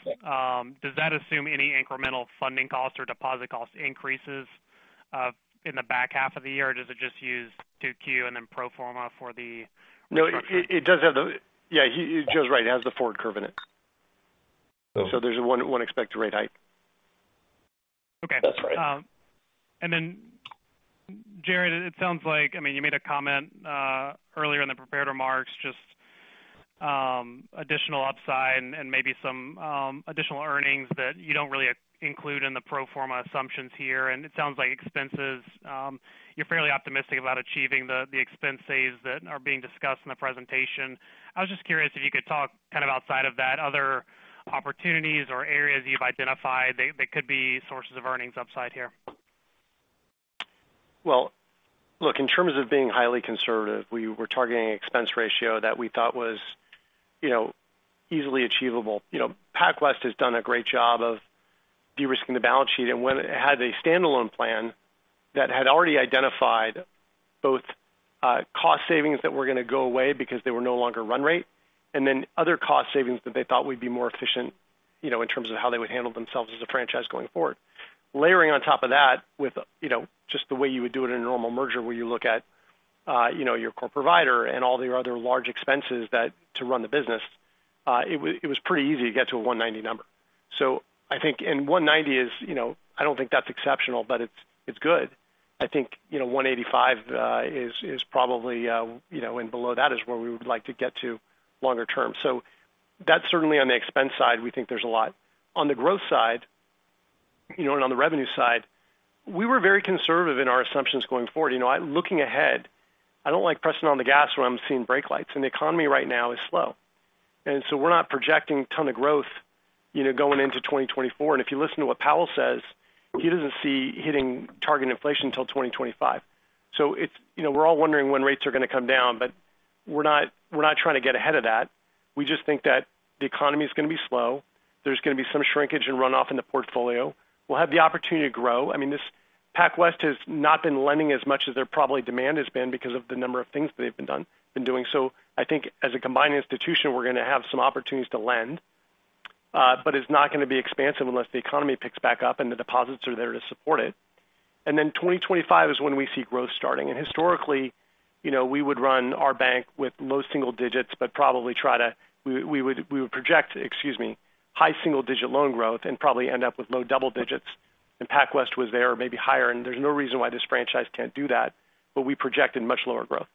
does that assume any incremental funding costs or deposit cost increases in the back half of the year, or does it just use second quarter and then pro forma for? No, it does have the. Yeah, Joe's right. It has the forward curve in it. Oh. There's one expected rate hike. Okay. That's right. Jared, it sounds like, I mean, you made a comment earlier in the prepared remarks, just additional upside and maybe some additional earnings that you don't really include in the pro forma assumptions here. It sounds like expenses, you're fairly optimistic about achieving the expense saves that are being discussed in the presentation. I was just curious if you could talk kind of outside of that, other opportunities or areas you've identified that could be sources of earnings upside here. Well, look, in terms of being highly conservative, we were targeting an expense ratio that we thought was, you know, easily achievable. You know, PacWest has done a great job of de-risking the balance sheet, and when it had a standalone plan that had already identified both cost savings that were going to go away because they were no longer run rate, and then other cost savings that they thought would be more efficient, you know, in terms of how they would handle themselves as a franchise going forward. Layering on top of that with, you know, just the way you would do it in a normal merger, where you look at, you know, your core provider and all the other large expenses that, to run the business, it was pretty easy to get to a 190 number. I think, and 190 is, you know, I don't think that's exceptional, but it's good. I think, you know, 185 is probably, you know, and below that is where we would like to get to longer term. That's certainly on the expense side, we think there's a lot. On the growth side, you know, and on the revenue side, we were very conservative in our assumptions going forward. You know, looking ahead, I don't like pressing on the gas when I'm seeing brake lights, and the economy right now is slow. We're not projecting a ton of growth, you know, going into 2024. If you listen to what Powell says, he doesn't see hitting target inflation until 2025. It's, you know, we're all wondering when rates are going to come down, but we're not trying to get ahead of that. We just think that the economy is going to be slow. There's going to be some shrinkage and runoff in the portfolio. We'll have the opportunity to grow. I mean, this PacWest has not been lending as much as their probably demand has been because of the number of things that they've been doing. I think as a combined institution, we're going to have some opportunities to lend, but it's not going to be expansive unless the economy picks back up and the deposits are there to support it. 2025 is when we see growth starting. Historically, you know, we would run our bank with low single digits, but probably we would project, excuse me, high single digit loan growth and probably end up with low double digits, and PacWest was there, maybe higher, and there's no reason why this franchise can't do that, but we projected much lower growth.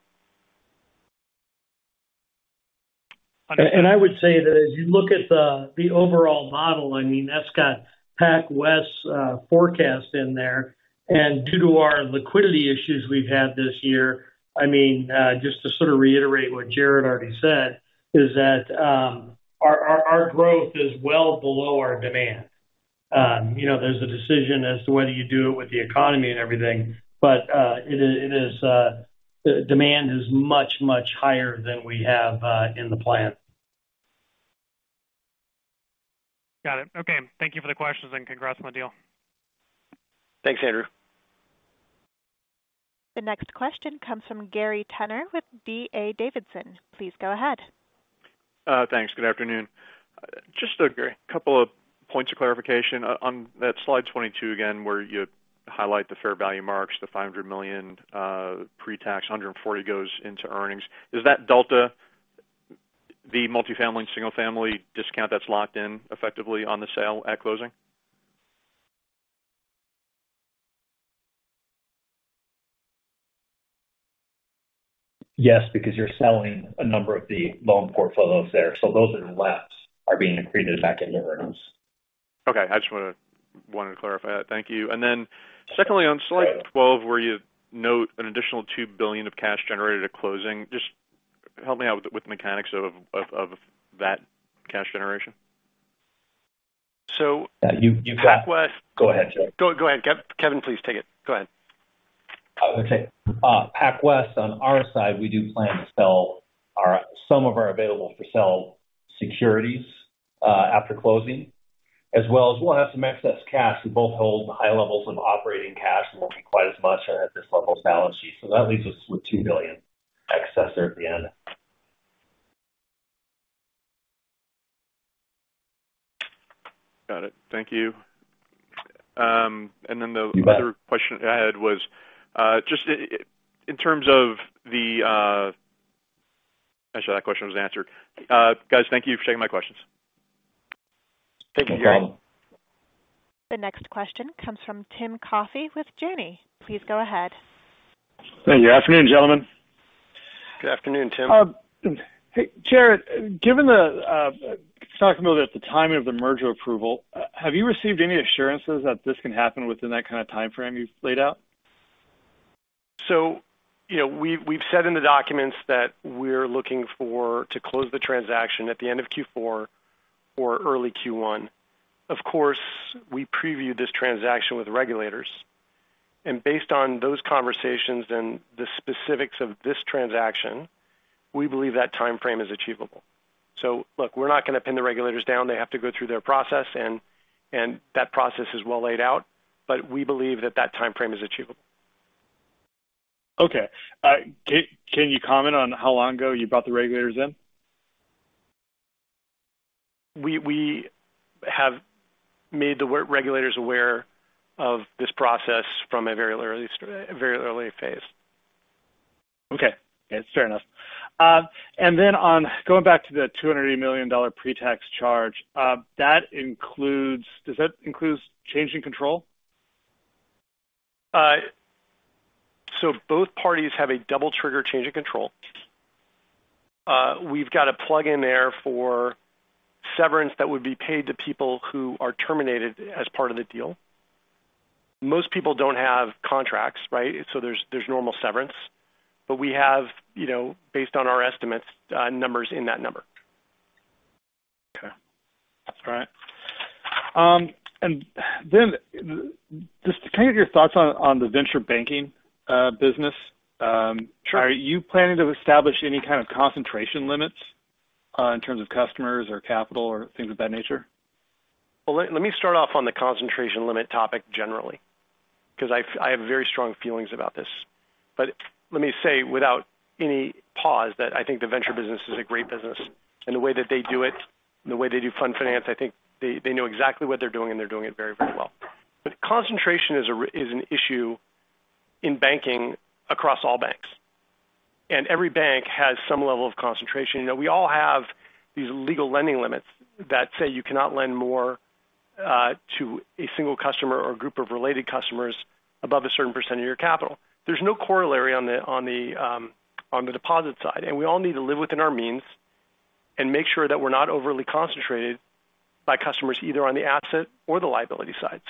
I would say that as you look at the overall model, I mean, that's got PacWest's forecast in there. Due to our liquidity issues we've had this year, I mean, just to sort of reiterate what Jared already said, is that, our growth is well below our demand. You know, there's a decision as to whether you do it with the economy and everything, but, it is demand is much, much higher than we have in the plan. Got it. Okay. Thank you for the questions, and congrats on the deal. Thanks, Andrew. The next question comes from Gary Tenner with D.A. Davidson. Please go ahead. Thanks. Good afternoon. Just a couple of points of clarification. On that slide 22 again, where you highlight the fair value marks, the $500 million pre-tax, $140 goes into earnings. Is that delta the multifamily and single-family discount that's locked in effectively on the sale at closing? Yes, because you're selling a number of the loan portfolios there, so those are less, are being accreted back into earnings. Okay. I just wanted to clarify that. Thank you. Secondly, on slide 12, where you note an additional $2 billion of cash generated at closing, just help me out with the mechanics of that cash generation? So You got PacWest. Go ahead, Jared. Go ahead, Kevin, please take it. Go ahead. Okay. PacWest, on our side, we do plan to sell some of our available-for-sale securities, after closing, as well as we'll have some excess cash. We both hold high levels of operating cash, we'll be quite as much at this level of balance sheet. That leaves us with $2 billion excess there at the end. Got it. Thank you. Actually, that question was answered. Guys, thank you for taking my questions. Thank you, Gary. The next question comes from Tim Coffey with Janney. Please go ahead. Thank you. Good afternoon, gentlemen. Good afternoon, Tim. Hey, Jared, given the talking about at the time of the merger approval, have you received any assurances that this can happen within that kind of time frame you've laid out? You know, we've said in the documents that we're looking for to close the transaction at the end of Q4 or early Q1. Of course, we previewed this transaction with the regulators, and based on those conversations and the specifics of this transaction, we believe that time frame is achievable. Look, we're not going to pin the regulators down. They have to go through their process, and that process is well laid out, but we believe that that time frame is achievable. Okay. Can you comment on how long ago you brought the regulators in? We have made the regulators aware of this process from a very early phase. Okay. It's fair enough. Then on going back to the $200 million pre-tax charge, does that include change in control? Both parties have a double trigger change in control. We've got a plug in there for severance that would be paid to people who are terminated as part of the deal. Most people don't have contracts, right? There's normal severance, but we have, you know, based on our estimates, numbers in that number. Okay. All right. Just can I get your thoughts on the venture banking business? Sure. Are you planning to establish any kind of concentration limits, in terms of customers or capital or things of that nature? Let me start off on the concentration limit topic generally, because I have very strong feelings about this. Let me say, without any pause, that I think the venture business is a great business, and the way that they do it, the way they do fund finance, I think they know exactly what they're doing, and they're doing it very, very well. Concentration is an issue in banking across all banks, and every bank has some level of concentration. You know, we all have these legal lending limits that say you cannot lend more to a single customer or a group of related customers above a certain % of your capital. There's no corollary on the deposit side, and we all need to live within our means. Make sure that we're not overly concentrated by customers, either on the asset or the liability side.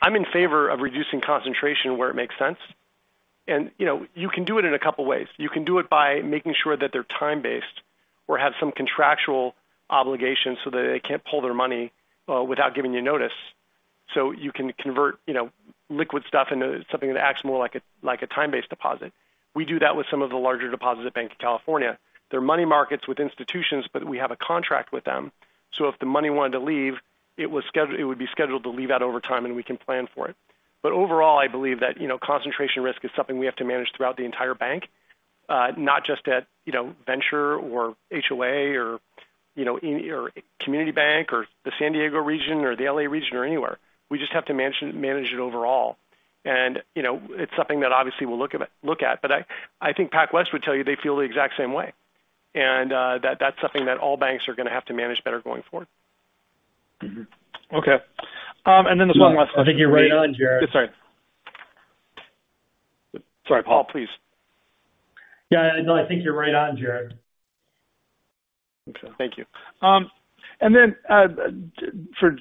I'm in favor of reducing concentration where it makes sense, and, you know, you can do it in a couple of ways. You can do it by making sure that they're time-based or have some contractual obligation so that they can't pull their money without giving you notice. You can convert, you know, liquid stuff into something that acts more like a time-based deposit. We do that with some of the larger deposits at Banc of California. They're money markets with institutions, but we have a contract with them, so if the money wanted to leave, it would be scheduled to leave out over time, and we can plan for it. Overall, I believe that, you know, concentration risk is something we have to manage throughout the entire bank, not just at, you know, Venture or HOA or, you know, or Community Bank or the San Diego region or the L.A. region or anywhere. We just have to manage it overall. You know, it's something that obviously we'll look at. I think PacWest would tell you they feel the exact same way, and that's something that all banks are going to have to manage better going forward. Mm-hmm. Okay. Then there's one last question. I think you're right on, Jared. Sorry. Sorry, Paul, please. Yeah, no, I think you're right on, Jared. Okay. Thank you. For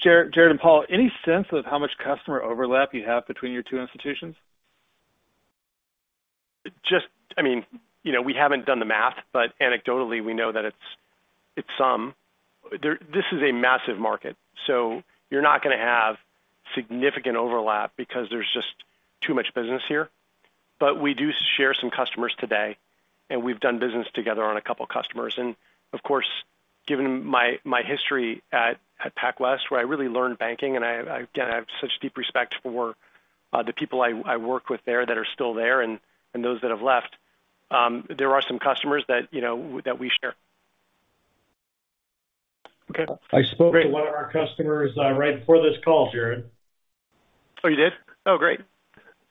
Jared and Paul, any sense of how much customer overlap you have between your two institutions? I mean, you know, we haven't done the math, but anecdotally, we know that it's some. This is a massive market, so you're not going to have significant overlap because there's just too much business here. We do share some customers today, and we've done business together on a couple of customers. Of course, given my history at PacWest, where I really learned banking, and I again, I have such deep respect for the people I worked with there that are still there and those that have left. There are some customers that, you know, that we share. Okay. I spoke to one of our customers, right before this call, Jared. Oh, you did? Oh, great.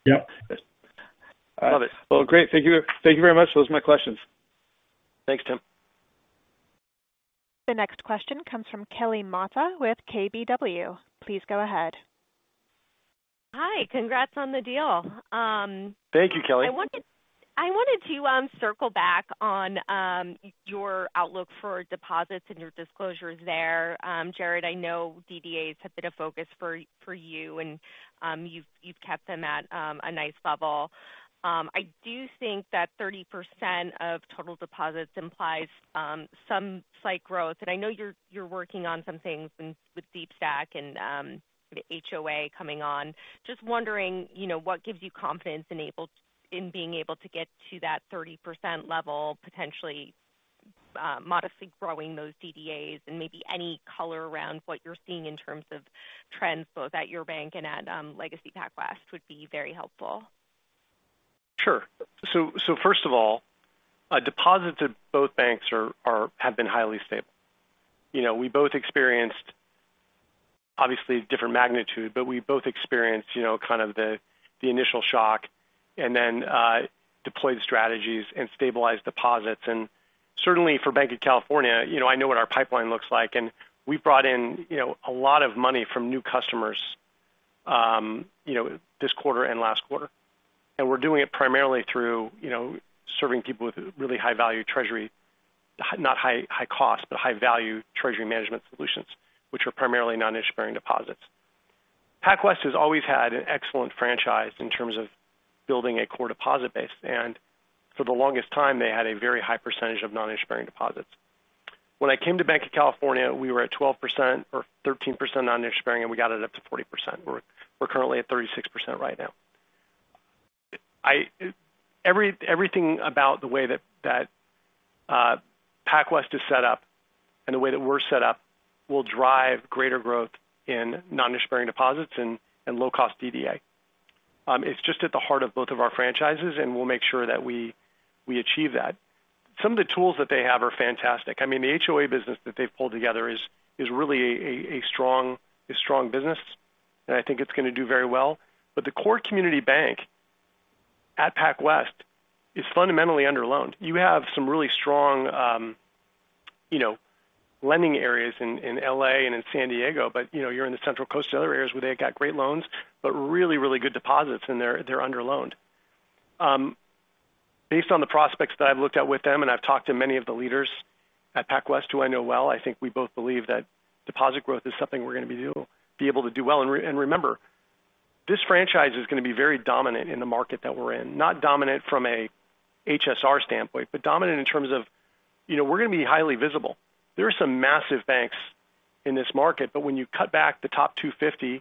Yep. Love it. Well, great. Thank you. Thank you very much. Those are my questions. Thanks, Tim. The next question comes from Kelly Motta with KBW. Please go ahead. Hi, congrats on the deal. Thank you, Kelly. I wanted to circle back on your outlook for deposits and your disclosures there. Jared, I know DDAs have been a focus for you, and you've kept them at a nice level. I do think that 30% of total deposits implies some slight growth, and I know you're working on some things with DeepStack and the HOA coming on. Just wondering, you know, what gives you confidence in being able to get to that 30% level, potentially, modestly growing those DDAs, and maybe any color around what you're seeing in terms of trends, both at your bank and at Legacy PacWest, would be very helpful. Sure. First of all, deposits at both banks have been highly stable. You know, we both experienced obviously different magnitude, but we both experienced, you know, kind of the initial shock and then, deployed strategies and stabilized deposits. Certainly for Banc of California, you know, I know what our pipeline looks like, and we brought in, you know, a lot of money from new customers, you know, this quarter and last quarter. We're doing it primarily through, you know, serving people with really high-value treasury, not high cost, but high-value treasury management solutions, which are primarily non-interest-bearing deposits. PacWest has always had an excellent franchise in terms of building a core deposit base, and for the longest time, they had a very high percentage of non-interest-bearing deposits. When I came to Banc of California, we were at 12% or 13% non-interest-bearing. We got it up to 40%. We're currently at 36% right now. Everything about the way that PacWest is set up and the way that we're set up will drive greater growth in non-interest-bearing deposits and low-cost DDA. It's just at the heart of both of our franchises. We'll make sure that we achieve that. Some of the tools that they have are fantastic. I mean, the HOA business that they've pulled together is really a strong business. I think it's going to do very well. The core community bank at PacWest is fundamentally underloaned. You have some really strong, you know, lending areas in L.A. and in San Diego, but, you know, you're in the central coast to other areas where they've got great loans, but really, really good deposits, and they're underloaned. Based on the prospects that I've looked at with them, and I've talked to many of the leaders at PacWest, who I know well, I think we both believe that deposit growth is something we're going to be able to do well. Remember, this franchise is going to be very dominant in the market that we're in. Not dominant from a HSR standpoint, but dominant in terms of, you know, we're going to be highly visible. There are some massive banks in this market, but when you cut back the top 250,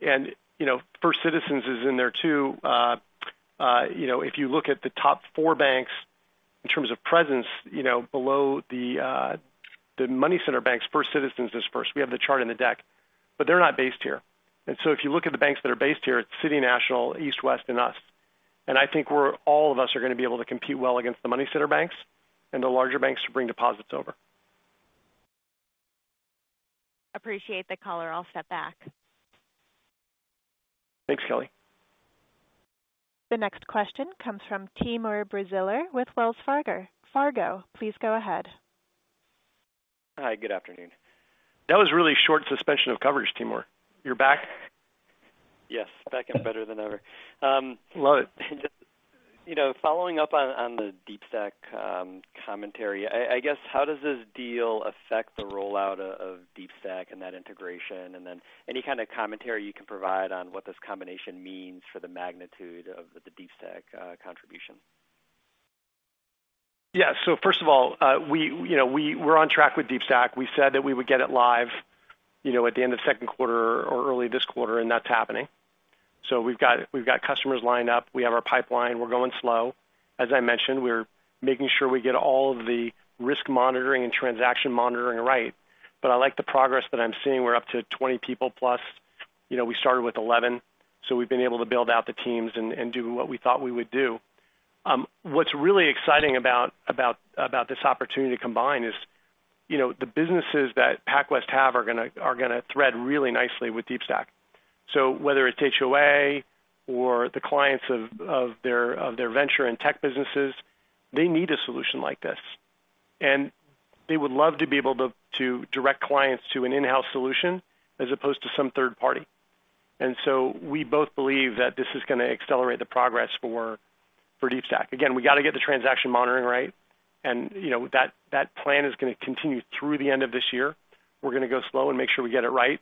and, you know, First Citizens is in there too. You know, if you look at the top four banks in terms of presence, you know, below the money center banks, First Citizens is first. We have the chart in the deck, but they're not based here. If you look at the banks that are based here, it's City National, East West, and us. I think all of us are going to be able to compete well against the money center banks and the larger banks to bring deposits over. Appreciate the color. I'll step back. Thanks, Kelly. The next question comes from Timur Braziler with Wells Fargo. Please go ahead. Hi, good afternoon. That was really short suspension of coverage, Timur. You're back? Yes, back and better than ever. Love it. You know, following up on the DeepStack commentary, I guess, how does this deal affect the rollout of DeepStack and that integration? Any kind of commentary you can provide on what this combination means for the magnitude of the DeepStack contribution? Yeah. First of all, we, you know, we're on track with DeepStack. We said that we would get it live, you know, at the end of second quarter or early this quarter, and that's happening. We've got, we've got customers lined up. We have our pipeline. We're going slow. As I mentioned, we're making sure we get all of the risk monitoring and transaction monitoring right. I like the progress that I'm seeing. We're up to 20 people plus. You know, we started with 11, so we've been able to build out the teams and do what we thought we would do. What's really exciting about this opportunity to combine is, you know, the businesses that PacWest have are gonna, are gonna thread really nicely with DeepStack. Whether it's HOA or the clients of their venture and tech businesses, they need a solution like this. They would love to be able to direct clients to an in-house solution as opposed to some third party. We both believe that this is gonna accelerate the progress for DeepStack. Again, we got to get the transaction monitoring right, and, you know, that plan is gonna continue through the end of this year. We're gonna go slow and make sure we get it right.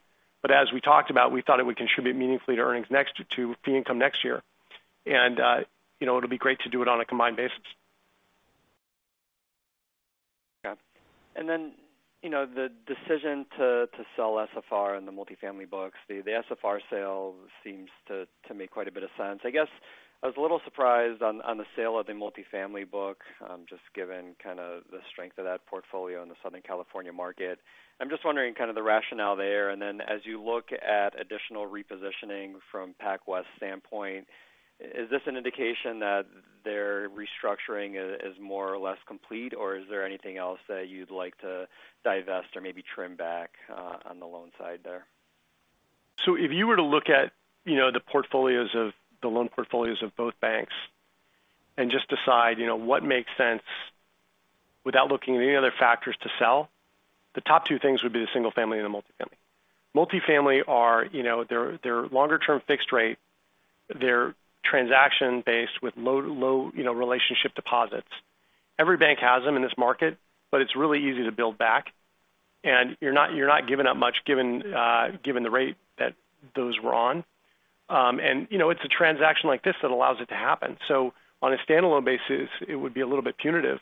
As we talked about, we thought it would contribute meaningfully to fee income next year. You know, it'll be great to do it on a combined basis. Yeah. Then, you know, the decision to sell SFR in the multifamily books, the SFR sale seems to make quite a bit of sense. I guess I was a little surprised on the sale of the multifamily book, just given kind of the strength of that portfolio in the Southern California market. I'm just wondering kind of the rationale there. Then as you look at additional repositioning from PacWest standpoint, is this an indication that their restructuring is more or less complete, or is there anything else that you'd like to divest or maybe trim back on the loan side there? If you were to look at, you know, the loan portfolios of both banks and just decide, you know, what makes sense without looking at any other factors to sell, the top two things would be the single family and the multifamily. Multifamily are, you know, they're longer term fixed rate. They're transaction-based with low, you know, relationship deposits. Every bank has them in this market, but it's really easy to build back, and you're not, you're not giving up much, given the rate that those were on. You know, it's a transaction like this that allows it to happen. On a standalone basis, it would be a little bit punitive,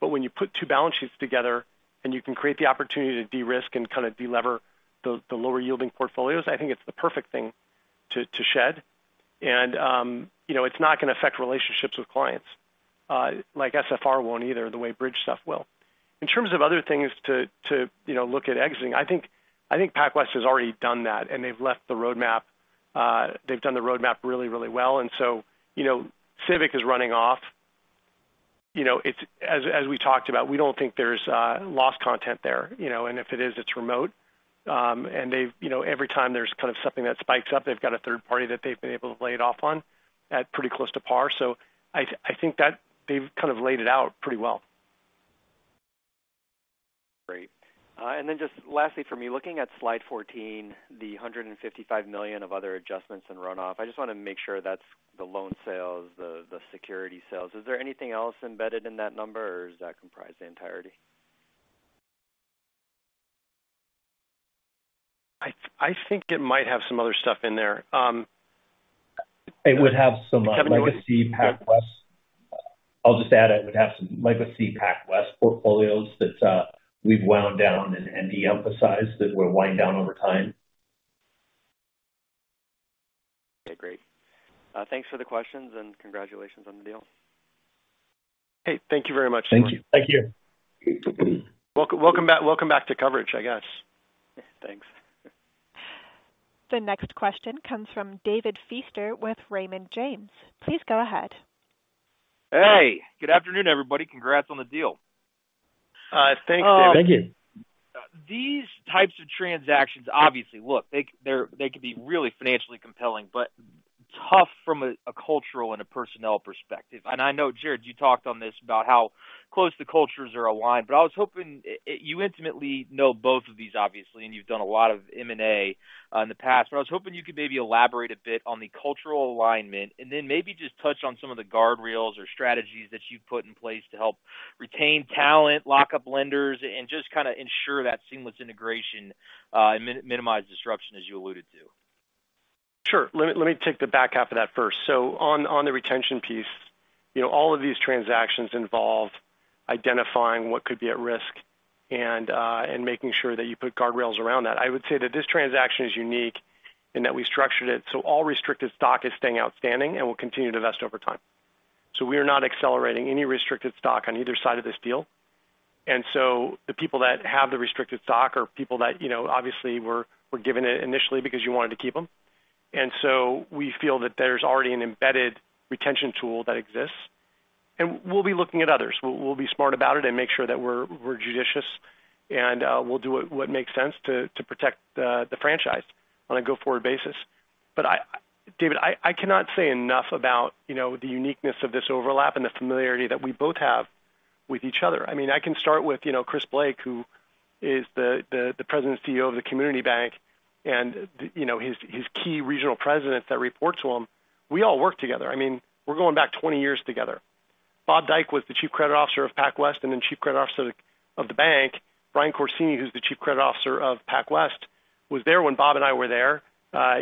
but when you put two balance sheets together and you can create the opportunity to de-risk and kind of delever the lower-yielding portfolios, I think it's the perfect thing to shed. You know, it's not gonna affect relationships with clients. Like SFR won't either, the way Bridge stuff will. In terms of other things to, you know, look at exiting, I think PacWest has already done that, and they've left the roadmap. They've done the roadmap really, really well, you know, Civic is running off. You know, as we talked about, we don't think there's loss content there, you know, and if it is, it's remote. They've you know, every time there's kind of something that spikes up, they've got a third party that they've been able to lay it off on at pretty close to par. I think that they've kind of laid it out pretty well. Great. Then just lastly for me, looking at slide 14, the $155 million of other adjustments and runoff, I just wanna make sure that's the loan sales, the security sales. Is there anything else embedded in that number, or does that comprise the entirety? I think it might have some other stuff in there. It would have some legacy PacWest. I'll just add, it would have some legacy PacWest portfolios that, we've wound down and de-emphasized, that we're winding down over time. Okay, great. Thanks for the questions, and congratulations on the deal. Hey, thank you very much. Thank you. Thank you. Welcome, welcome back, welcome back to coverage, I guess. Thanks. The next question comes from David Feaster with Raymond James. Please go ahead. Hey, good afternoon, everybody. Congrats on the deal. Thanks, David. Thank you. These types of transactions, obviously, look, they could be really financially compelling, but tough from a cultural and a personnel perspective. I know, Jared, you talked on this about how close the cultures are aligned, but I was hoping. You intimately know both of these, obviously, and you've done a lot of M&A in the past, but I was hoping you could maybe elaborate a bit on the cultural alignment, and then maybe just touch on some of the guardrails or strategies that you've put in place to help retain talent, lock up lenders, and just kind of ensure that seamless integration, and minimize disruption as you alluded to. Sure. Let me take the back half of that first. On, on the retention piece, you know, all of these transactions involved identifying what could be at risk and making sure that you put guardrails around that. I would say that this transaction is unique in that we structured it, so all restricted stock is staying outstanding and will continue to vest over time. We are not accelerating any restricted stock on either side of this deal. The people that have the restricted stock are people that, you know, obviously were given it initially because you wanted to keep them. We feel that there's already an embedded retention tool that exists, and we'll be looking at others. We'll be smart about it and make sure that we're judicious, we'll do what makes sense to protect the franchise on a go-forward basis. David, I cannot say enough about, you know, the uniqueness of this overlap and the familiarity that we both have with each other. I mean, I can start with, you know, Chris Blake, who is the President CEO of the community bank, and, you know, his key regional presidents that reports to him. We all work together. I mean, we're going back 20 years together. Bob Dyke was the Chief Credit Officer of PacWest, and then Chief Credit Officer of the bank. Brian Corsini, who's the Chief Credit Officer of PacWest, was there when Bob and I were there.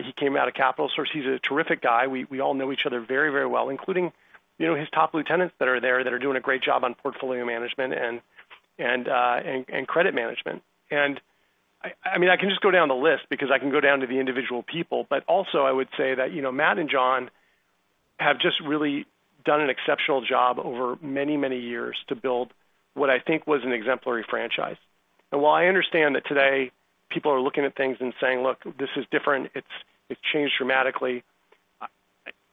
He came out of Capital Source. He's a terrific guy. We all know each other very, very well, including, you know, his top lieutenants that are there, that are doing a great job on portfolio management and credit management. I mean, I can just go down the list because I can go down to the individual people. Also I would say that, you know, Matt and John have just really done an exceptional job over many, many years to build what I think was an exemplary franchise. While I understand that today people are looking at things and saying, "Look, this is different, it's changed dramatically,"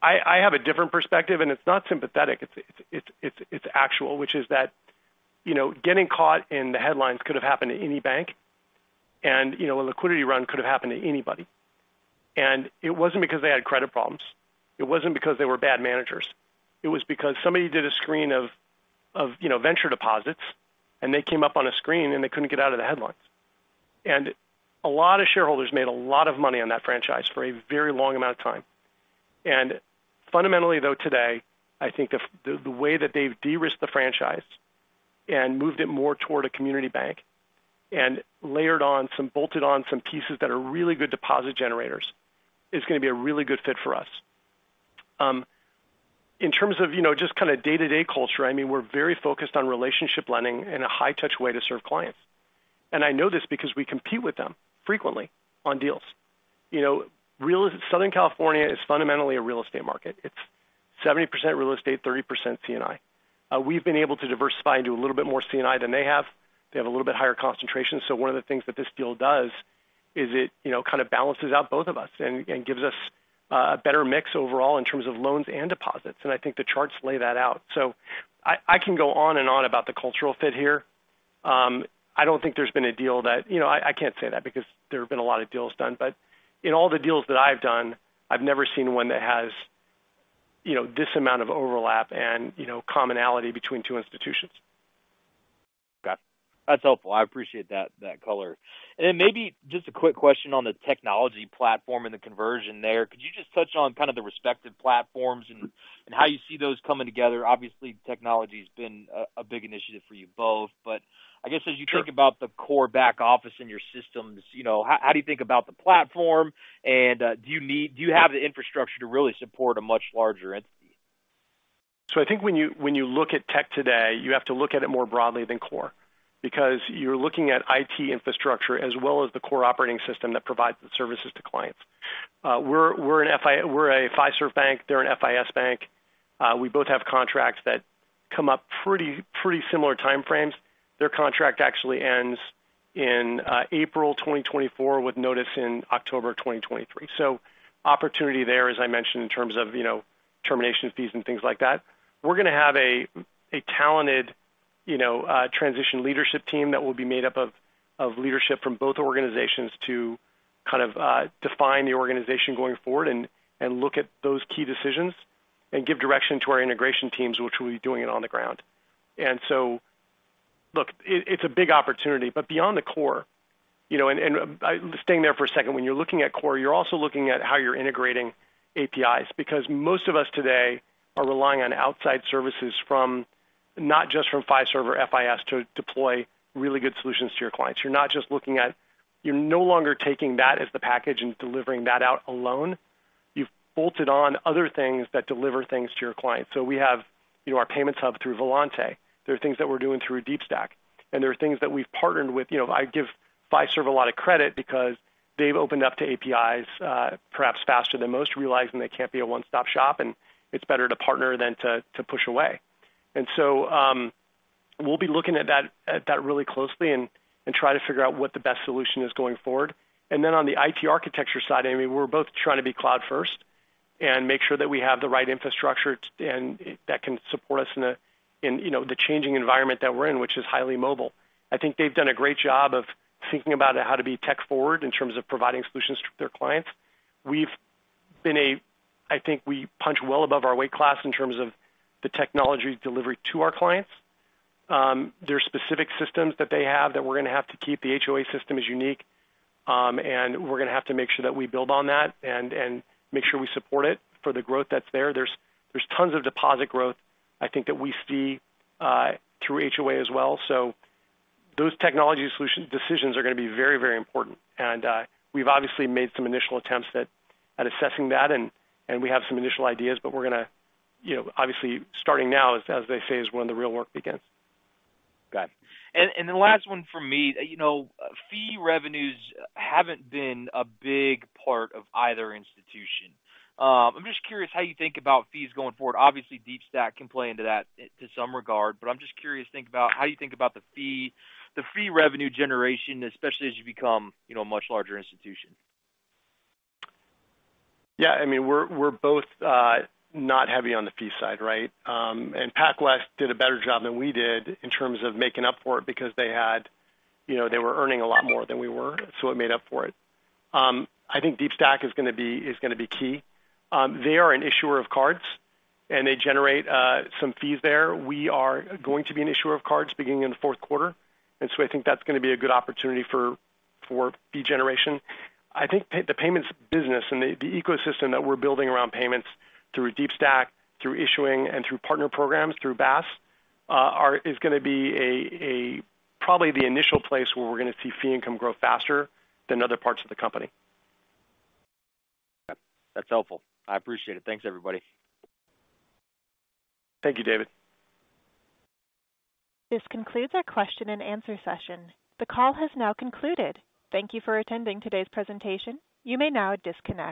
I have a different perspective, and it's not sympathetic. It's actual, which is that, you know, getting caught in the headlines could have happened to any bank, and, you know, a liquidity run could have happened to anybody. It wasn't because they had credit problems. It wasn't because they were bad managers. It was because somebody did a screen of, you know, venture deposits, and they came up on a screen, and they couldn't get out of the headlines. A lot of shareholders made a lot of money on that franchise for a very long amount of time. Fundamentally, though, today, I think the way that they've de-risked the franchise and moved it more toward a community bank and bolted on some pieces that are really good deposit generators, is gonna be a really good fit for us. In terms of, you know, just kind of day-to-day culture, I mean, we're very focused on relationship lending and a high-touch way to serve clients. I know this because we compete with them frequently on deals. You know, Southern California is fundamentally a real estate market. It's 70% real estate, 30% C&I. We've been able to diversify into a little bit more C&I than they have. They have a little bit higher concentration. One of the things that this deal does is it, you know, kind of balances out both of us and gives us a better mix overall in terms of loans and deposits, and I think the charts lay that out. I can go on and on about the cultural fit here. I don't think there's been a deal that. You know, I can't say that because there have been a lot of deals done. In all the deals that I've done, I've never seen one that has, you know, this amount of overlap and, you know, commonality between two institutions. Got it. That's helpful. I appreciate that color. Maybe just a quick question on the technology platform and the conversion there. Could you just touch on kind of the respective platforms and how you see those coming together? Obviously, technology's been a big initiative for you both, but I guess as you think about the core back office in your systems, you know, how do you think about the platform? Do you have the infrastructure to really support a much larger entity? I think when you look at tech today, you have to look at it more broadly than core, because you're looking at IT infrastructure as well as the core operating system that provides the services to clients. We're a Fiserv bank. They're an FIS bank. We both have contracts that come up pretty similar time frames. Their contract actually ends in April 2024, with notice in October 2023. Opportunity there, as I mentioned, in terms of, you know, termination fees and things like that. We're gonna have a talented, you know, transition leadership team that will be made up of leadership from both organizations to kind of define the organization going forward and look at those key decisions and give direction to our integration teams, which will be doing it on the ground. Look, it's a big opportunity, but beyond the core, you know, and staying there for a second, when you're looking at core, you're also looking at how you're integrating APIs, because most of us today are relying on outside services from, not just from Fiserv or FIS, to deploy really good solutions to your clients. You're not just looking at. You're no longer taking that as the package and delivering that out alone. You've bolted on other things that deliver things to your clients. We have, you know, our payments hub through Volante. There are things that we're doing through Deepstack, and there are things that we've partnered with. You know, I give Fiserv a lot of credit because they've opened up to APIs, perhaps faster than most, realizing they can't be a one-stop shop, and it's better to partner than to push away. We'll be looking at that really closely and try to figure out what the best solution is going forward. On the IT architecture side, I mean, we're both trying to be cloud-first and make sure that we have the right infrastructure and that can support us in a, in, you know, the changing environment that we're in, which is highly mobile. I think they've done a great job of thinking about how to be tech forward in terms of providing solutions to their clients. We've been I think we punch well above our weight class in terms of the technology delivery to our clients. There are specific systems that they have that we're gonna have to keep. The HOA system is unique, and we're gonna have to make sure that we build on that and make sure we support it for the growth that's there. There's tons of deposit growth, I think, that we see through HOA as well. Those technology solution decisions are gonna be very, very important. We've obviously made some initial attempts at assessing that, and we have some initial ideas, but we're gonna. You know, obviously, starting now, as they say, is when the real work begins. Got it. The last one from me. You know, fee revenues haven't been a big part of either institution. I'm just curious how you think about fees going forward. Obviously, Deepstack can play into that to some regard, but I'm just curious to think about how you think about the fee revenue generation, especially as you become, you know, a much larger institution. Yeah, I mean, we're both, not heavy on the fee side, right? PacWest did a better job than we did in terms of making up for it, because you know, they were earning a lot more than we were, so it made up for it. I think Deepstack is gonna be key. They are an issuer of cards, and they generate, some fees there. We are going to be an issuer of cards beginning in the fourth quarter, I think that's gonna be a good opportunity for fee generation. I think the payments business and the ecosystem that we're building around payments through Deepstack, through issuing, and through partner programs, through Baas, is gonna be a, probably the initial place where we're gonna see fee income grow faster than other parts of the company. Yep, that's helpful. I appreciate it. Thanks, everybody. Thank you, David. This concludes our question and answer session. The call has now concluded. Thank you for attending today's presentation. You may now disconnect.